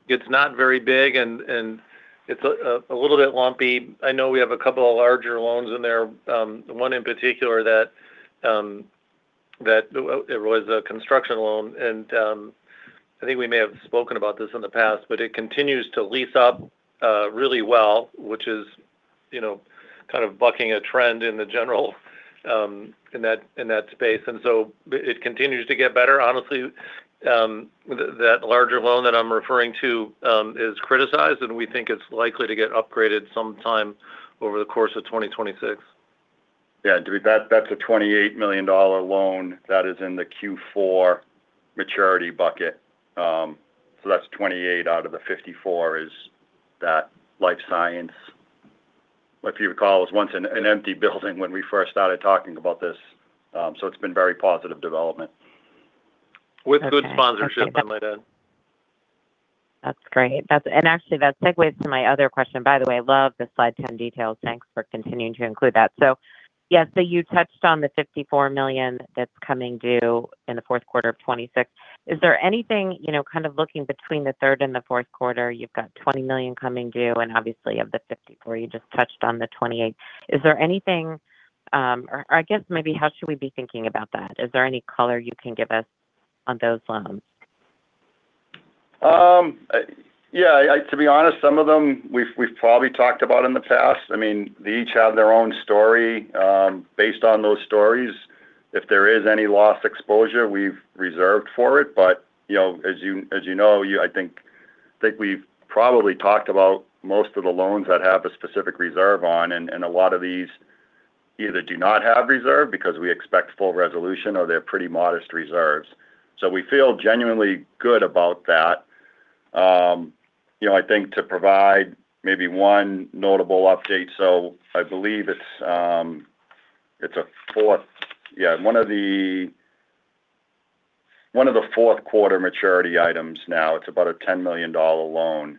It's not very big, and it's a little bit lumpy. I know we have a couple of larger loans in there. One, in particular, that it was a construction loan. I think we may have spoken about this in the past, but it continues to lease up really well, which is kind of bucking a trend in the general, in that space. It continues to get better. Honestly, that larger loan that I'm referring to is criticized, and we think it's likely to get upgraded sometime over the course of 2026. Yeah. That's a $28 million loan that is in the Q4 maturity bucket. That's $28 million out of the $54 million in that life science. If you recall, it was once an empty building when we first started talking about this. It's been very positive development. With good sponsorship, I might add. That's great. Actually, that segues to my other question. By the way, love the slide 10 details. Thanks for continuing to include that. Yeah, so you touched on the $54 million that's coming due in the fourth quarter of 2026. Is there anything, kind of looking between the third and the fourth quarter, you've got $20 million coming due, and obviously of the $54 million, you just touched on the $28 million. Is there anything, or I guess maybe how should we be thinking about that? Is there any color you can give us on those loans? Yeah. To be honest, some of them we've probably talked about in the past. They each have their own story. Based on those stories, if there is any loss exposure, we've reserved for it. But, as you know, I think we've probably talked about most of the loans that have a specific reserve on, and a lot of these either do not have reserve because we expect full resolution, or they're pretty modest reserves. We feel genuinely good about that. I think to provide maybe one notable update, I believe it's a fourth. Yeah, one of the fourth quarter maturity items now, it's about a $10 million loan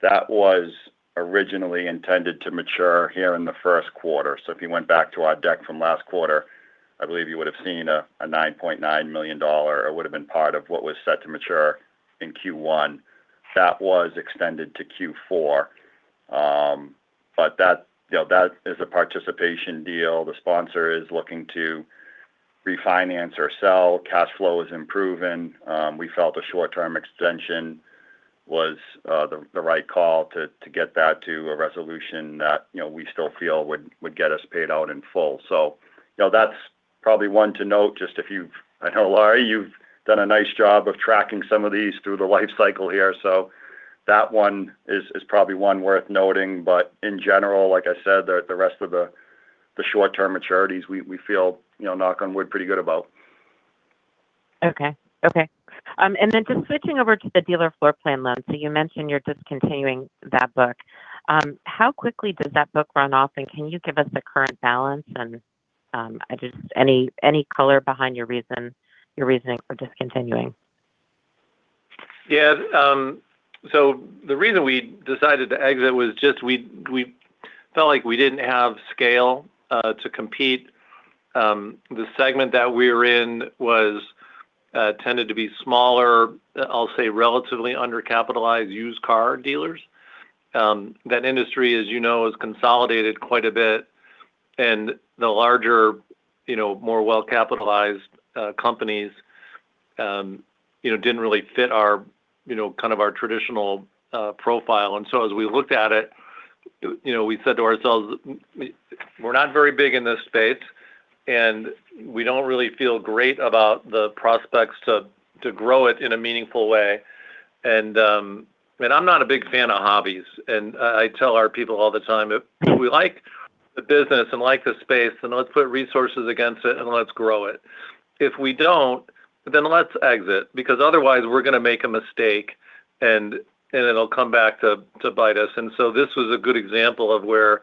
that was originally intended to mature here in the first quarter. If you went back to our deck from last quarter, I believe you would have seen a $9.9 million, or would have been part of what was set to mature in Q1. That was extended to Q4. That is a participation deal. The sponsor is looking to refinance or sell. Cash flow is improving. We felt a short-term extension was the right call to get that to a resolution that we still feel would get us paid out in full. That's probably one to note, just if you've I know, Laurie, you've done a nice job of tracking some of these through the life cycle here, so that one is probably one worth noting. In general, like I said, the rest of the short-term maturities, we feel, knock on wood, pretty good about. Okay. Just switching over to the dealer floorplan loans. You mentioned you're discontinuing that book. How quickly does that book run off, and can you give us the current balance, and just any color behind your reasoning for discontinuing? Yeah. The reason we decided to exit was just we felt like we didn't have scale to compete. The segment that we were in tended to be smaller, I'll say relatively undercapitalized used car dealers. That industry, as you know, has consolidated quite a bit. The larger, more well-capitalized companies didn't really fit our kind of our traditional profile. as we looked at it, we said to ourselves, "We're not very big in this space, and we don't really feel great about the prospects to grow it in a meaningful way." I'm not a big fan of hobbies, and I tell our people all the time, if we like the business and like the space, then let's put resources against it and let's grow it. If we don't, then let's exit, because otherwise we're going to make a mistake and it'll come back to bite us. This was a good example of where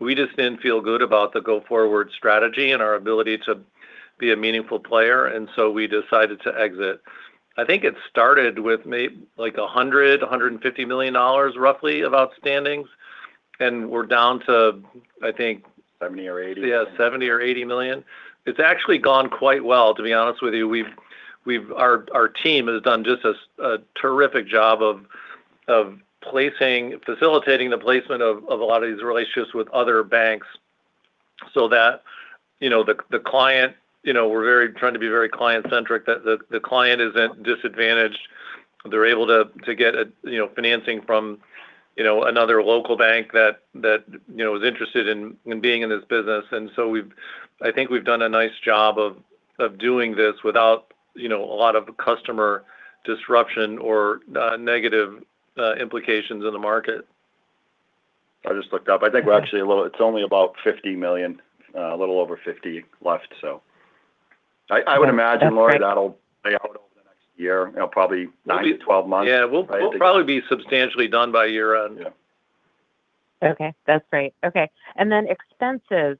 we just didn't feel good about the go-forward strategy and our ability to be a meaningful player, and so we decided to exit. I think it started with maybe, like $100 million-$150 million, roughly, of outstandings. We're down to, I think- $70 million or $80 million. Yeah, $70 million or $80 million. It's actually gone quite well, to be honest with you. Our team has done just a terrific job of facilitating the placement of a lot of these relationships with other banks, so that the client, we're trying to be very client-centric, that the client isn't disadvantaged. They're able to get financing from another local bank that was interested in being in this business. I think we've done a nice job of doing this without a lot of customer disruption or negative implications in the market. I just looked up. I think it's only about $50 million, a little over $50 million left. I would imagine, Laurie, that'll play out over the next year, probably nine to twelve months. Yeah. We'll probably be substantially done by year-end. Yeah. Okay. That's great. Okay. Expenses,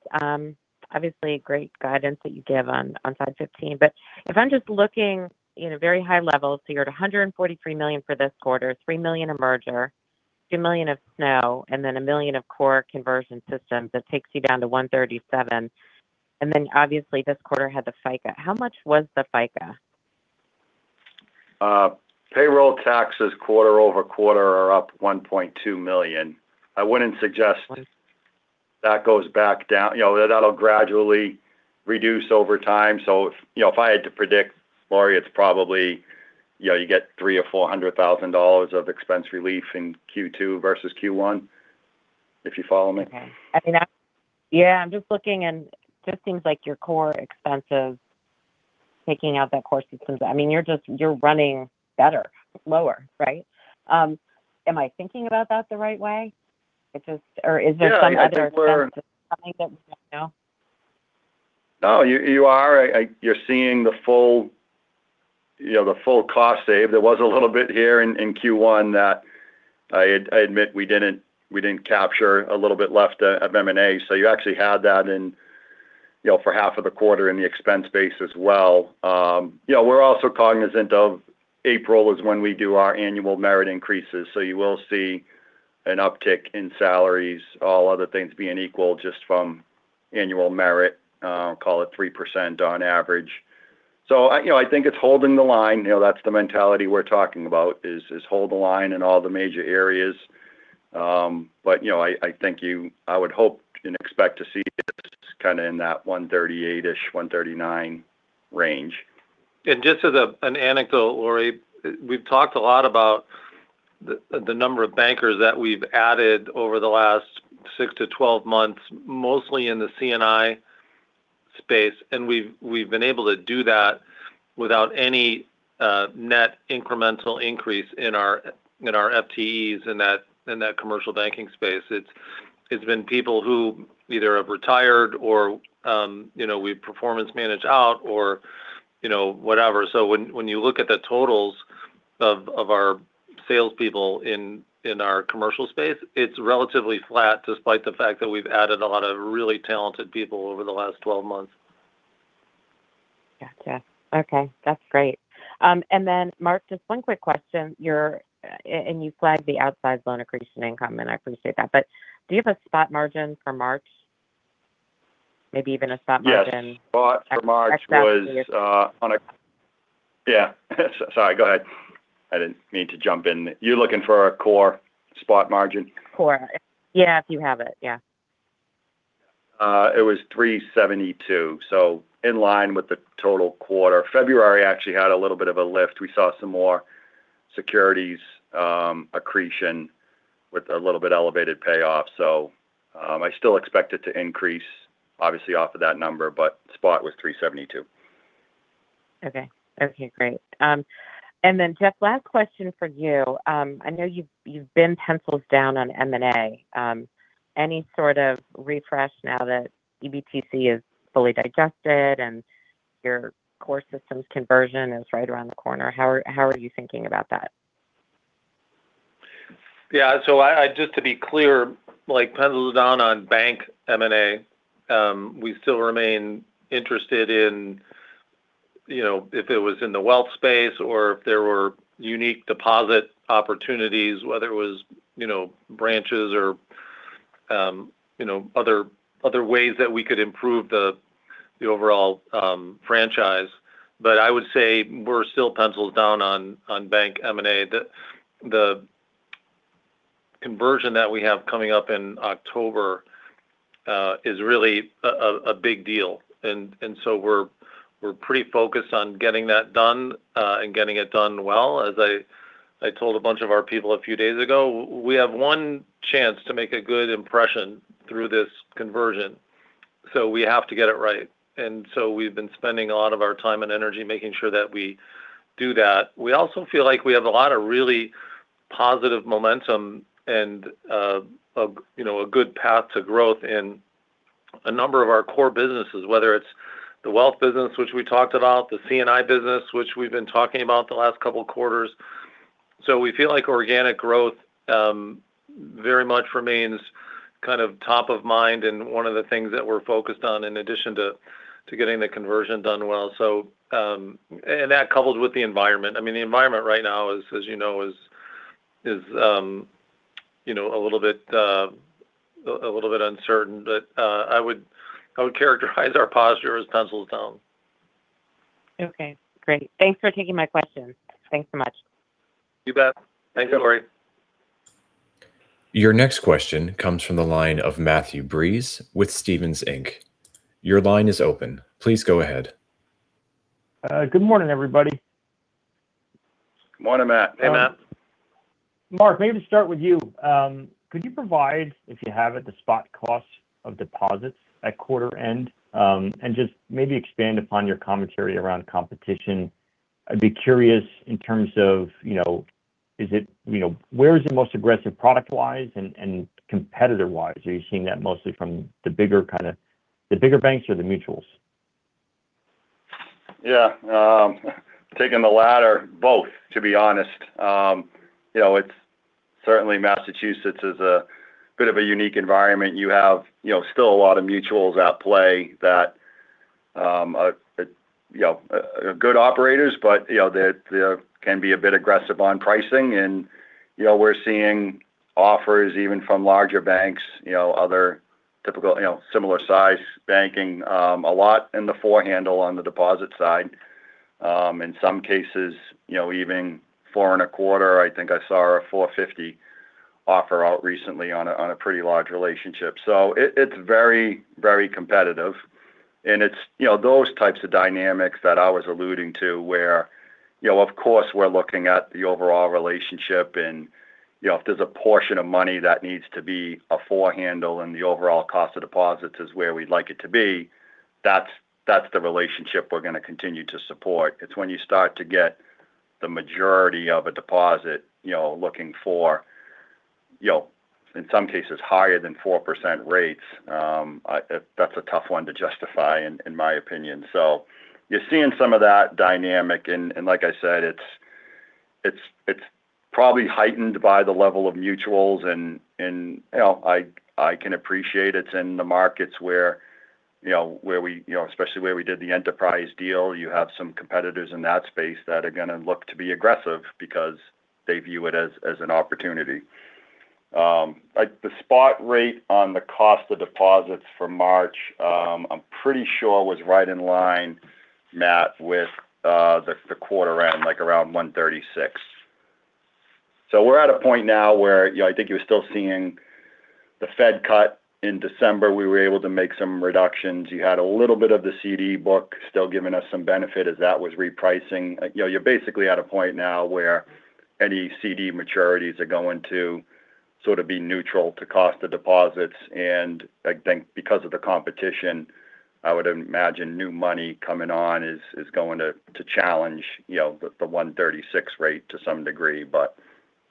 obviously great guidance that you give on slide 15. If I'm just looking at a very high level, you're at $143 million for this quarter, $3 million in merger, $2 million of SNOW, and then $1 million of core conversion systems, that takes you down to $137 million. Obviously this quarter had the FICA. How much was the FICA? Payroll taxes quarter-over-quarter are up $1.2 million. I wouldn't suggest- What? That goes back down. That'll gradually reduce over time. If I had to predict, Laurie, it's probably you get $300,000 or $400,000 of expense relief in Q2 versus Q1. If you follow me. Okay. Yeah, I'm just looking and just seems like your core expenses, taking out that core systems, you're running better, lower, right? Am I thinking about that the right way? Or is there some other expense that's coming that's now? No, you are. You're seeing the full cost save. There was a little bit here in Q1 that I admit we didn't capture a little bit left of M&A. You actually had that in for half of the quarter in the expense base as well. We're also cognizant of April is when we do our annual merit increases. You will see an uptick in salaries, all other things being equal just from annual merit, call it 3% on average. I think it's holding the line. That's the mentality we're talking about is hold the line in all the major areas. I would hope and expect to see this kind of in that $138 million-ish, $139 million range. Just as an anecdote, Laurie, we've talked a lot about the number of bankers that we've added over the last six to 12 months, mostly in the C&I space. We've been able to do that without any net incremental increase in our FTEs in that commercial banking space. It's been people who either have retired or we performance manage out or whatever. When you look at the totals of our salespeople in our commercial space, it's relatively flat, despite the fact that we've added a lot of really talented people over the last 12 months. Gotcha. Okay. That's great. Mark, just one quick question. You flagged the outsized loan accretion income, and I appreciate that. Do you have a spot margin for March? Maybe even a spot margin. Yes. Yeah. Sorry, go ahead. I didn't mean to jump in. You're looking for our core spot margin? Core. Yeah, if you have it, yeah. It was 3.72%, so in line with the total quarter. February actually had a little bit of a lift. We saw some more securities accretion with a little bit elevated payoff. I still expect it to increase, obviously, off of that number, but spot was 3.72%. Okay. Great. Jeff, last question for you. I know you've been pencils down on M&A. Any sort of refresh now that EBTC is fully digested and your core systems conversion is right around the corner? How are you thinking about that? Yeah. Just to be clear, pencils down on bank M&A. We still remain interested in if it was in the wealth space or if there were unique deposit opportunities, whether it was branches or other ways that we could improve the overall franchise. I would say we're still pencils down on bank M&A. The conversion that we have coming up in October is really a big deal. We're pretty focused on getting that done, and getting it done well. As I told a bunch of our people a few days ago, we have one chance to make a good impression through this conversion, so we have to get it right. We've been spending a lot of our time and energy making sure that we do that. We also feel like we have a lot of really positive momentum and a good path to growth in a number of our core businesses, whether it's the wealth business, which we talked about, the C&I business, which we've been talking about the last couple of quarters. We feel like organic growth very much remains kind of top of mind and one of the things that we're focused on in addition to getting the conversion done well. That coupled with the environment right now is a little bit uncertain, but I would characterize our posture as pencils down. Okay, great. Thanks for taking my questions. Thanks so much. You bet. Thanks, Laurie. Your next question comes from the line of Matthew Breese with Stephens Inc. Your line is open. Please go ahead. Good morning, everybody. Good morning, Matt. Hey, Matt. Mark, maybe to start with you. Could you provide, if you have it, the spot costs of deposits at quarter end? Just maybe expand upon your commentary around competition. I'd be curious in terms of where is it most aggressive product-wise and competitor-wise? Are you seeing that mostly from the bigger banks or the mutuals? Yeah. Taking the latter. Both, to be honest. Certainly, Massachusetts is a bit of a unique environment. You have still a lot of mutuals at play that are good operators, but they can be a bit aggressive on pricing. We're seeing offers even from larger banks, other similar-sized banks, a lot in the 4% handle on the deposit side. In some cases even 4.25%. I think I saw a 4.50% offer out recently on a pretty large relationship. It's very competitive. It's those types of dynamics that I was alluding to where, of course, we're looking at the overall relationship, and if there's a portion of money that needs to be a 4% handle and the overall cost of deposits is where we'd like it to be, that's the relationship we're going to continue to support. It's when you start to get the majority of a deposit looking for, in some cases, higher than 4% rates, that's a tough one to justify in my opinion. You're seeing some of that dynamic, and like I said, it's probably heightened by the level of mutuals. I can appreciate it's in the markets where, especially where we did the Enterprise deal, you have some competitors in that space that are going to look to be aggressive because they view it as an opportunity. The spot rate on the cost of deposits for March, I'm pretty sure was right in line, Matt, with the quarter end, like around 1.36%. We're at a point now where I think you're still seeing the Fed cut in December. We were able to make some reductions. You had a little bit of the CD book still giving us some benefit as that was repricing. You're basically at a point now where any CD maturities are going to sort of be neutral to cost of deposits. I think because of the competition, I would imagine new money coming on is going to challenge the 1.36% rate to some degree.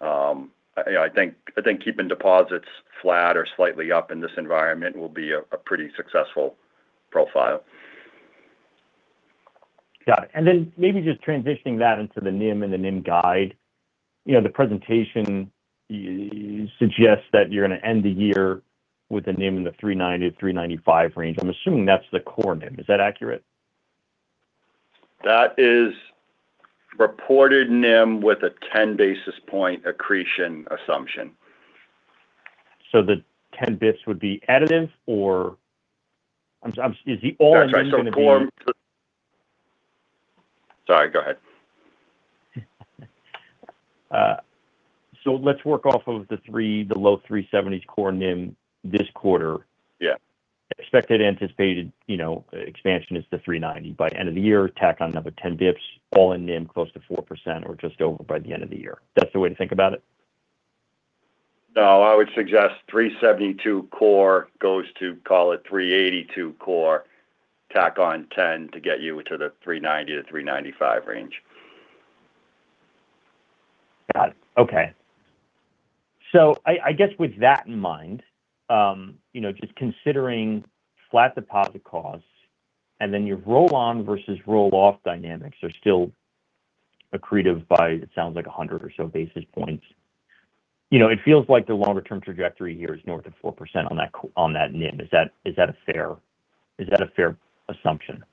I think keeping deposits flat or slightly up in this environment will be a pretty successful profile. Got it. Maybe just transitioning that into the NIM and the NIM guide. The presentation suggests that you're going to end the year with a NIM in the 3.90%-3.95% range. I'm assuming that's the core NIM. Is that accurate? That is reported NIM with a 10 basis point accretion assumption. The 10 basis points would be additive or is the all-in going to be? Sorry, go ahead. Let's work off of the low 3.70s core NIM this quarter. Yeah. Expected anticipated expansion is to 3.90% by end of the year. Tack on another 10 basis points, all-in NIM close to 4% or just over by the end of the year. That's the way to think about it? No, I would suggest 3.72% core goes to, call it, 3.82% core. Tack on 10 to get you to the 3.90%-3.95% range. Got it. Okay. I guess with that in mind, just considering flat deposit costs and then your roll on versus roll off dynamics are still accretive by it sounds like 100 or so basis points. It feels like the longer-term trajectory here is north of 4% on that NIM. Is that a fair assumption?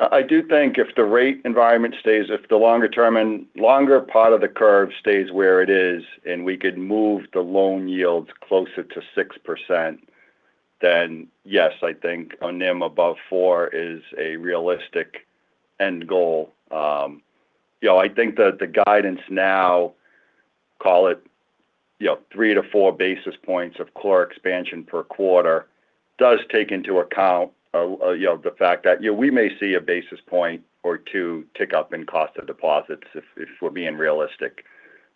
I do think if the rate environment stays, if the longer part of the curve stays where it is and we could move the loan yields closer to 6%, then yes, I think a NIM above 4% is a realistic end goal. I think that the guidance now, call it 3 basis points-4 basis points of core expansion per quarter, does take into account the fact that we may see a basis points or two tick up in cost of deposits if we're being realistic.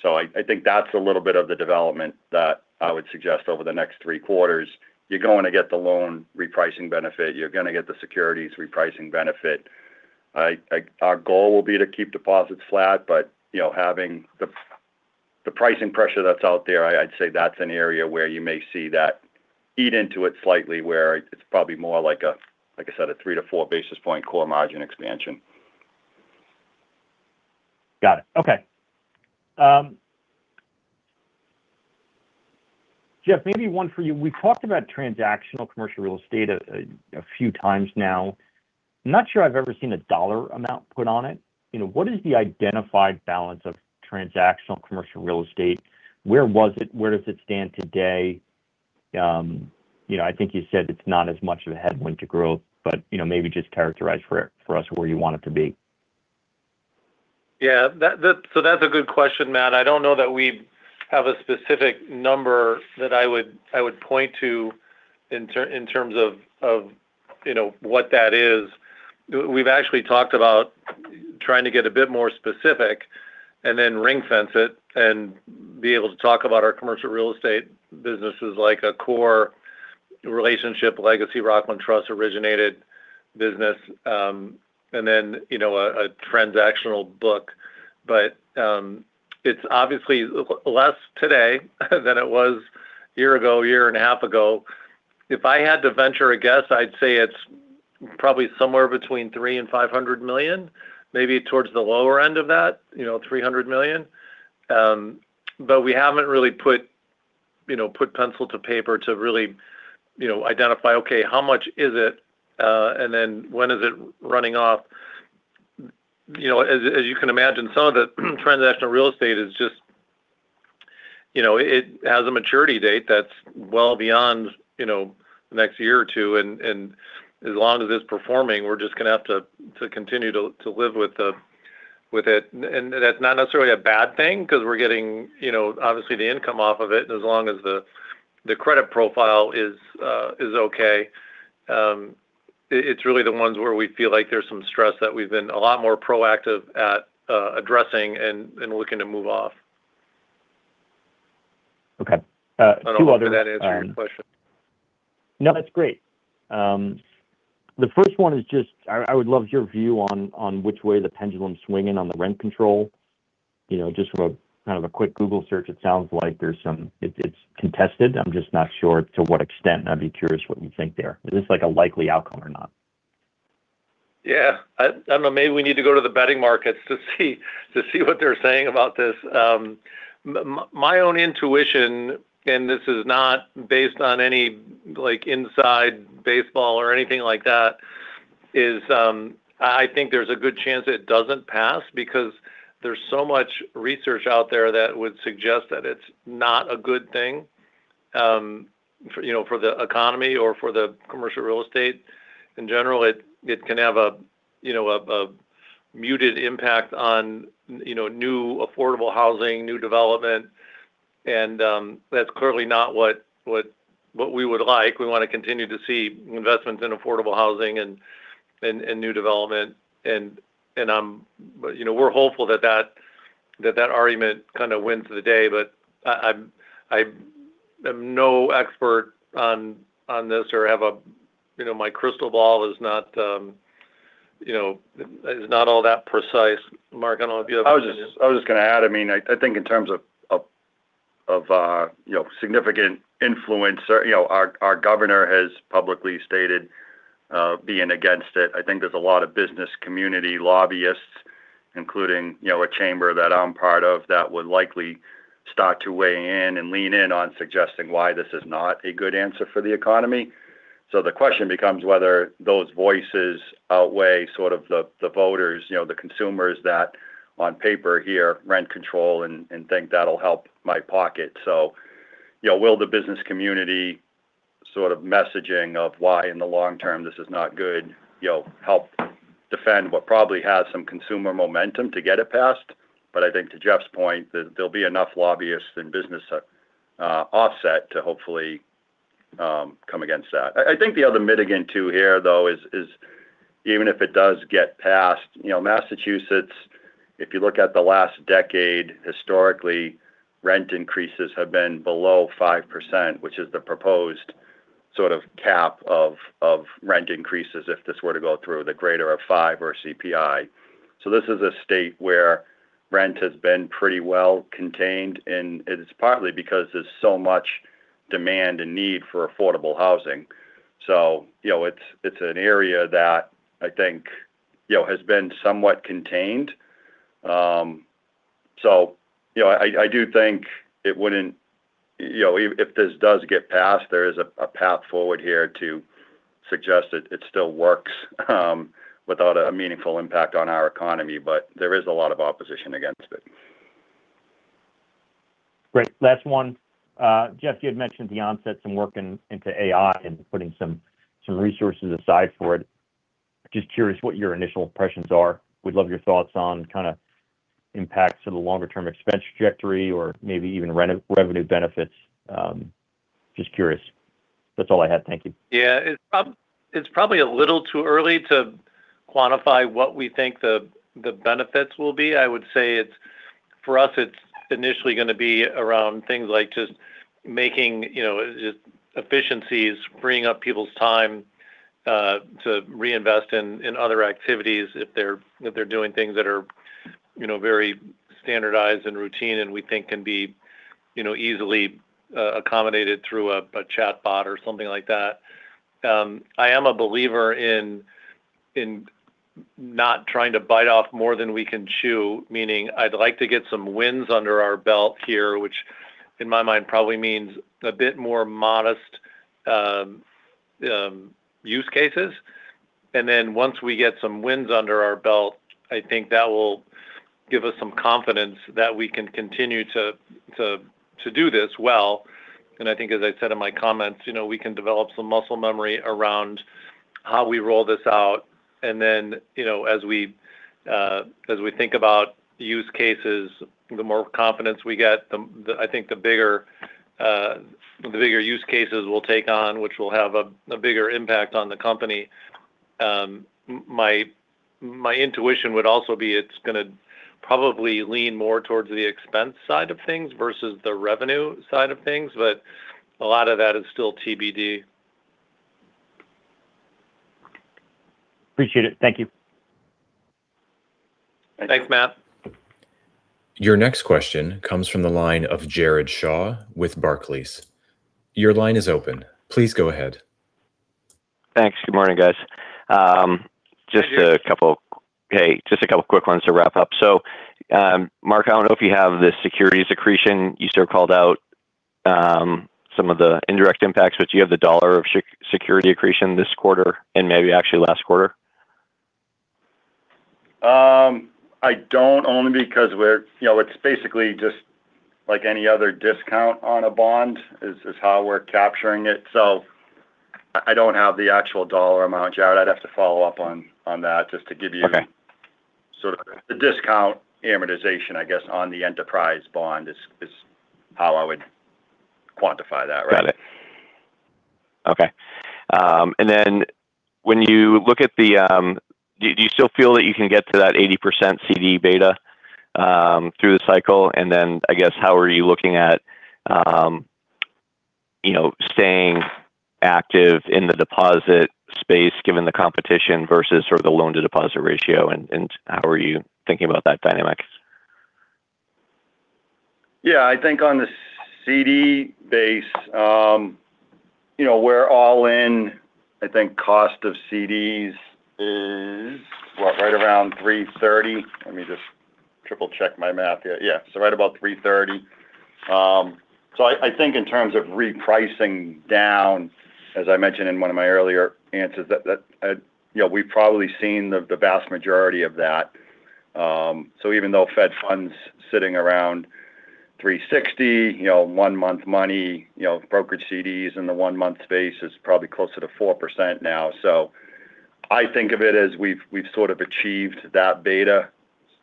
I think that's a little bit of the development that I would suggest over the next three quarters. You're going to get the loan repricing benefit. You're going to get the securities repricing benefit. Our goal will be to keep deposits flat, but having the pricing pressure that's out there, I'd say that's an area where you may see that eat into it slightly where it's probably more like a, like I said, a 3 basis points-4 basis points core margin expansion. Got it. Okay. Jeff, maybe one for you. We talked about transactional commercial real estate a few times now. I'm not sure I've ever seen a dollar amount put on it. What is the identified balance of transactional commercial real estate? Where was it? Where does it stand today? I think you said it's not as much of a headwind to growth, but maybe just characterize for us where you want it to be. Yeah. That's a good question, Matt. I don't know that we have a specific number that I would point to in terms of what that is. We've actually talked about trying to get a bit more specific and then ring-fence it and be able to talk about our commercial real estate businesses, like a core relationship legacy Rockland Trust-originated business, and then a transactional book. It's obviously less today than it was a year ago, year and a half ago. If I had to venture a guess, I'd say it's probably somewhere between $300 million-$500 million, maybe towards the lower end of that, $300 million. We haven't really put pencil to paper to really identify, okay, how much is it? And then when is it running off? As you can imagine, some of the transactional real estate it has a maturity date that's well beyond the next year or two. As long as it's performing, we're just going to have to continue to live with it. That's not necessarily a bad thing because we're getting obviously the income off of it, and as long as the credit profile is okay. It's really the ones where we feel like there's some stress that we've been a lot more proactive at addressing and looking to move off. Okay. I don't know if that answered your question. No, that's great. The first one is just I would love your view on which way the pendulum is swinging on the rent control. Just from a kind of a quick Google search, it sounds like it's contested. I'm just not sure to what extent, and I'd be curious what you think there. Is this a likely outcome or not? Yeah. I don't know. Maybe we need to go to the betting markets to see what they're saying about this. My own intuition, and this is not based on any inside baseball or anything like that, is I think there's a good chance it doesn't pass because there's so much research out there that would suggest that it's not a good thing for the economy or for the commercial real estate. In general, it can have a muted impact on new affordable housing, new development, and that's clearly not what we would like. We want to continue to see investments in affordable housing and new development. We're hopeful that that argument kind of wins the day. But I'm no expert on this or my crystal ball is not all that precise. Mark, I don't know if you have opinions. I was just going to add, I think in terms of significant influence, our governor has publicly stated being against it. I think there's a lot of business community lobbyists, including a chamber that I'm part of, that would likely start to weigh in and lean in on suggesting why this is not a good answer for the economy. The question becomes whether those voices outweigh sort of the voters, the consumers that on paper here, rent control, and think that'll help my pocket. Will the business community sort of messaging of why in the long term this is not good help defend what probably has some consumer momentum to get it passed? I think to Jeff's point, that there'll be enough lobbyists and business offset to hopefully come against that. I think the other mitigant too here, though, is even if it does get passed, Massachusetts, if you look at the last decade, historically, rent increases have been below 5%, which is the proposed sort of cap of rent increases if this were to go through, the greater of 5% or CPI. This is a state where rent has been pretty well contained, and it is partly because there's so much demand and need for affordable housing. It's an area that I think has been somewhat contained. I do think if this does get passed, there is a path forward here to suggest that it still works without a meaningful impact on our economy, but there is a lot of opposition against it. Great. Last one. Jeff, you had mentioned at the onset some work into AI and putting some resources aside for it. Just curious what your initial impressions are. We'd love your thoughts on kind of impacts to the longer-term expense trajectory or maybe even revenue benefits. Just curious. That's all I had. Thank you. Yeah. It's probably a little too early to quantify what we think the benefits will be. I would say for us, it's initially going to be around things like just making efficiencies, freeing up people's time to reinvest in other activities if they're doing things that are very standardized and routine and we think can be easily accommodated through a chatbot or something like that. I am a believer in not trying to bite off more than we can chew, meaning I'd like to get some wins under our belt here, which in my mind probably means a bit more modest use cases. Once we get some wins under our belt, I think that will give us some confidence that we can continue to do this well. I think as I said in my comments, we can develop some muscle memory around how we roll this out. Then, as we think about use cases, the more confidence we get, I think the bigger use cases we'll take on, which will have a bigger impact on the company. My intuition would also be it's going to probably lean more towards the expense side of things versus the revenue side of things. A lot of that is still TBD. Appreciate it. Thank you. Thanks, Matt. Your next question comes from the line of Jared Shaw with Barclays. Your line is open. Please go ahead. Thanks. Good morning, guys. Good morning. Hey. Just a couple quick ones to wrap up. Mark, I don't know if you have the securities accretion. You still called out some of the indirect impacts, but do you have the dollar of securities accretion this quarter and maybe actually last quarter? I don't. Only because it's basically just like any other discount on a bond is how we're capturing it. I don't have the actual dollar amount, Jared. I'd have to follow up on that just to give you- Okay. Sort of the discount amortization, I guess, on the Enterprise Bond is how I would quantify that, right? Got it. Okay. When you look at, do you still feel that you can get to that 80% CD beta through the cycle? I guess, how are you looking at staying active in the deposit space, given the competition versus sort of the loan to deposit ratio, and how are you thinking about that dynamic? Yeah, I think on the CD base, we're all in. I think cost of CDs is, what? Right around 3.30%. Let me just triple check my math. Yeah. Right about 3.30%. I think in terms of repricing down, as I mentioned in one of my earlier answers, that we've probably seen the vast majority of that. Even though Fed funds sitting around 3.60%, one-month money, brokerage CDs in the one-month space is probably closer to 4% now. I think of it as we've sort of achieved that beta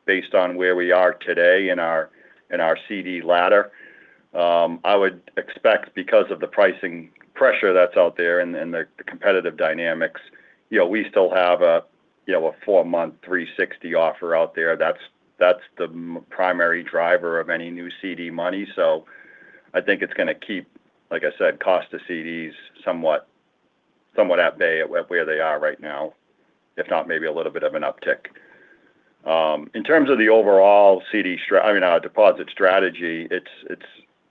based on where we are today in our CD ladder. I would expect, because of the pricing pressure that's out there and the competitive dynamics, we still have a four-month 3.60% offer out there. That's the primary driver of any new CD money. I think it's going to keep, like I said, cost of CDs somewhat at bay at where they are right now, if not maybe a little bit of an uptick. In terms of the overall deposit strategy,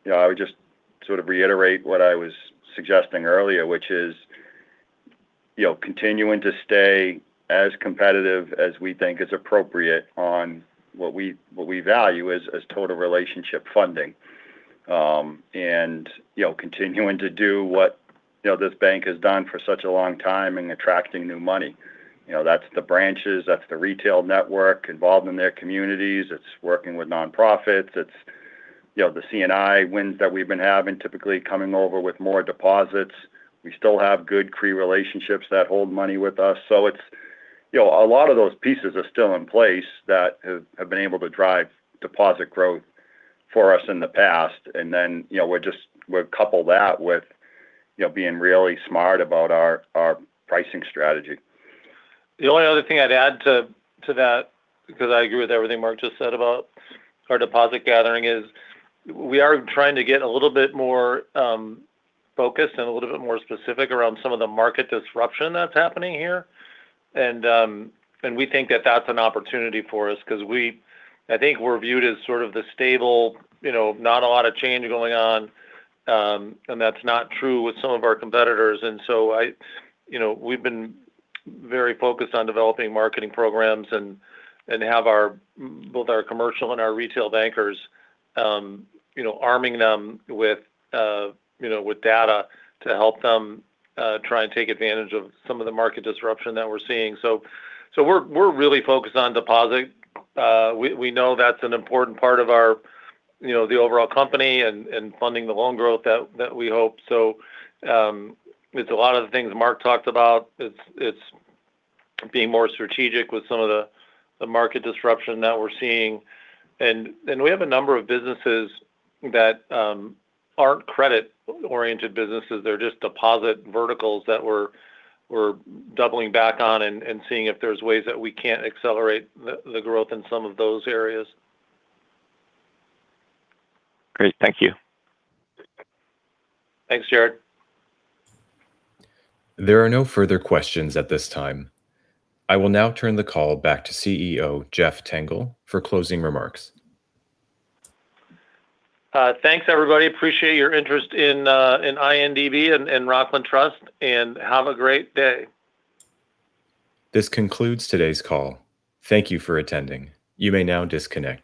I would just sort of reiterate what I was suggesting earlier, which is continuing to stay as competitive as we think is appropriate on what we value as total relationship funding, continuing to do what this bank has done for such a long time and attracting new money. That's the branches, that's the retail network involved in their communities. It's working with nonprofits. It's the C&I wins that we've been having, typically coming over with more deposits. We still have good CRE relationships that hold money with us. A lot of those pieces are still in place that have been able to drive deposit growth for us in the past. We'll couple that with being really smart about our pricing strategy. The only other thing I'd add to that, because I agree with everything Mark just said about our deposit gathering, is we are trying to get a little bit more focused and a little bit more specific around some of the market disruption that's happening here. We think that that's an opportunity for us because I think we're viewed as sort of the stable, not a lot of change going on. That's not true with some of our competitors. We've been very focused on developing marketing programs and have both our commercial and our retail bankers arming them with data to help them try and take advantage of some of the market disruption that we're seeing. We're really focused on deposit. We know that's an important part of the overall company and funding the loan growth that we hope. It's a lot of the things Mark talked about. It's being more strategic with some of the market disruption that we're seeing. We have a number of businesses that aren't credit-oriented businesses. They're just deposit verticals that we're doubling back on and seeing if there's ways that we can't accelerate the growth in some of those areas. Great. Thank you. Thanks, Jared. There are no further questions at this time. I will now turn the call back to CEO Jeff Tengel for closing remarks. Thanks, everybody. Appreciate your interest in INDB and Rockland Trust, and have a great day. This concludes today's call. Thank you for attending. You may now disconnect.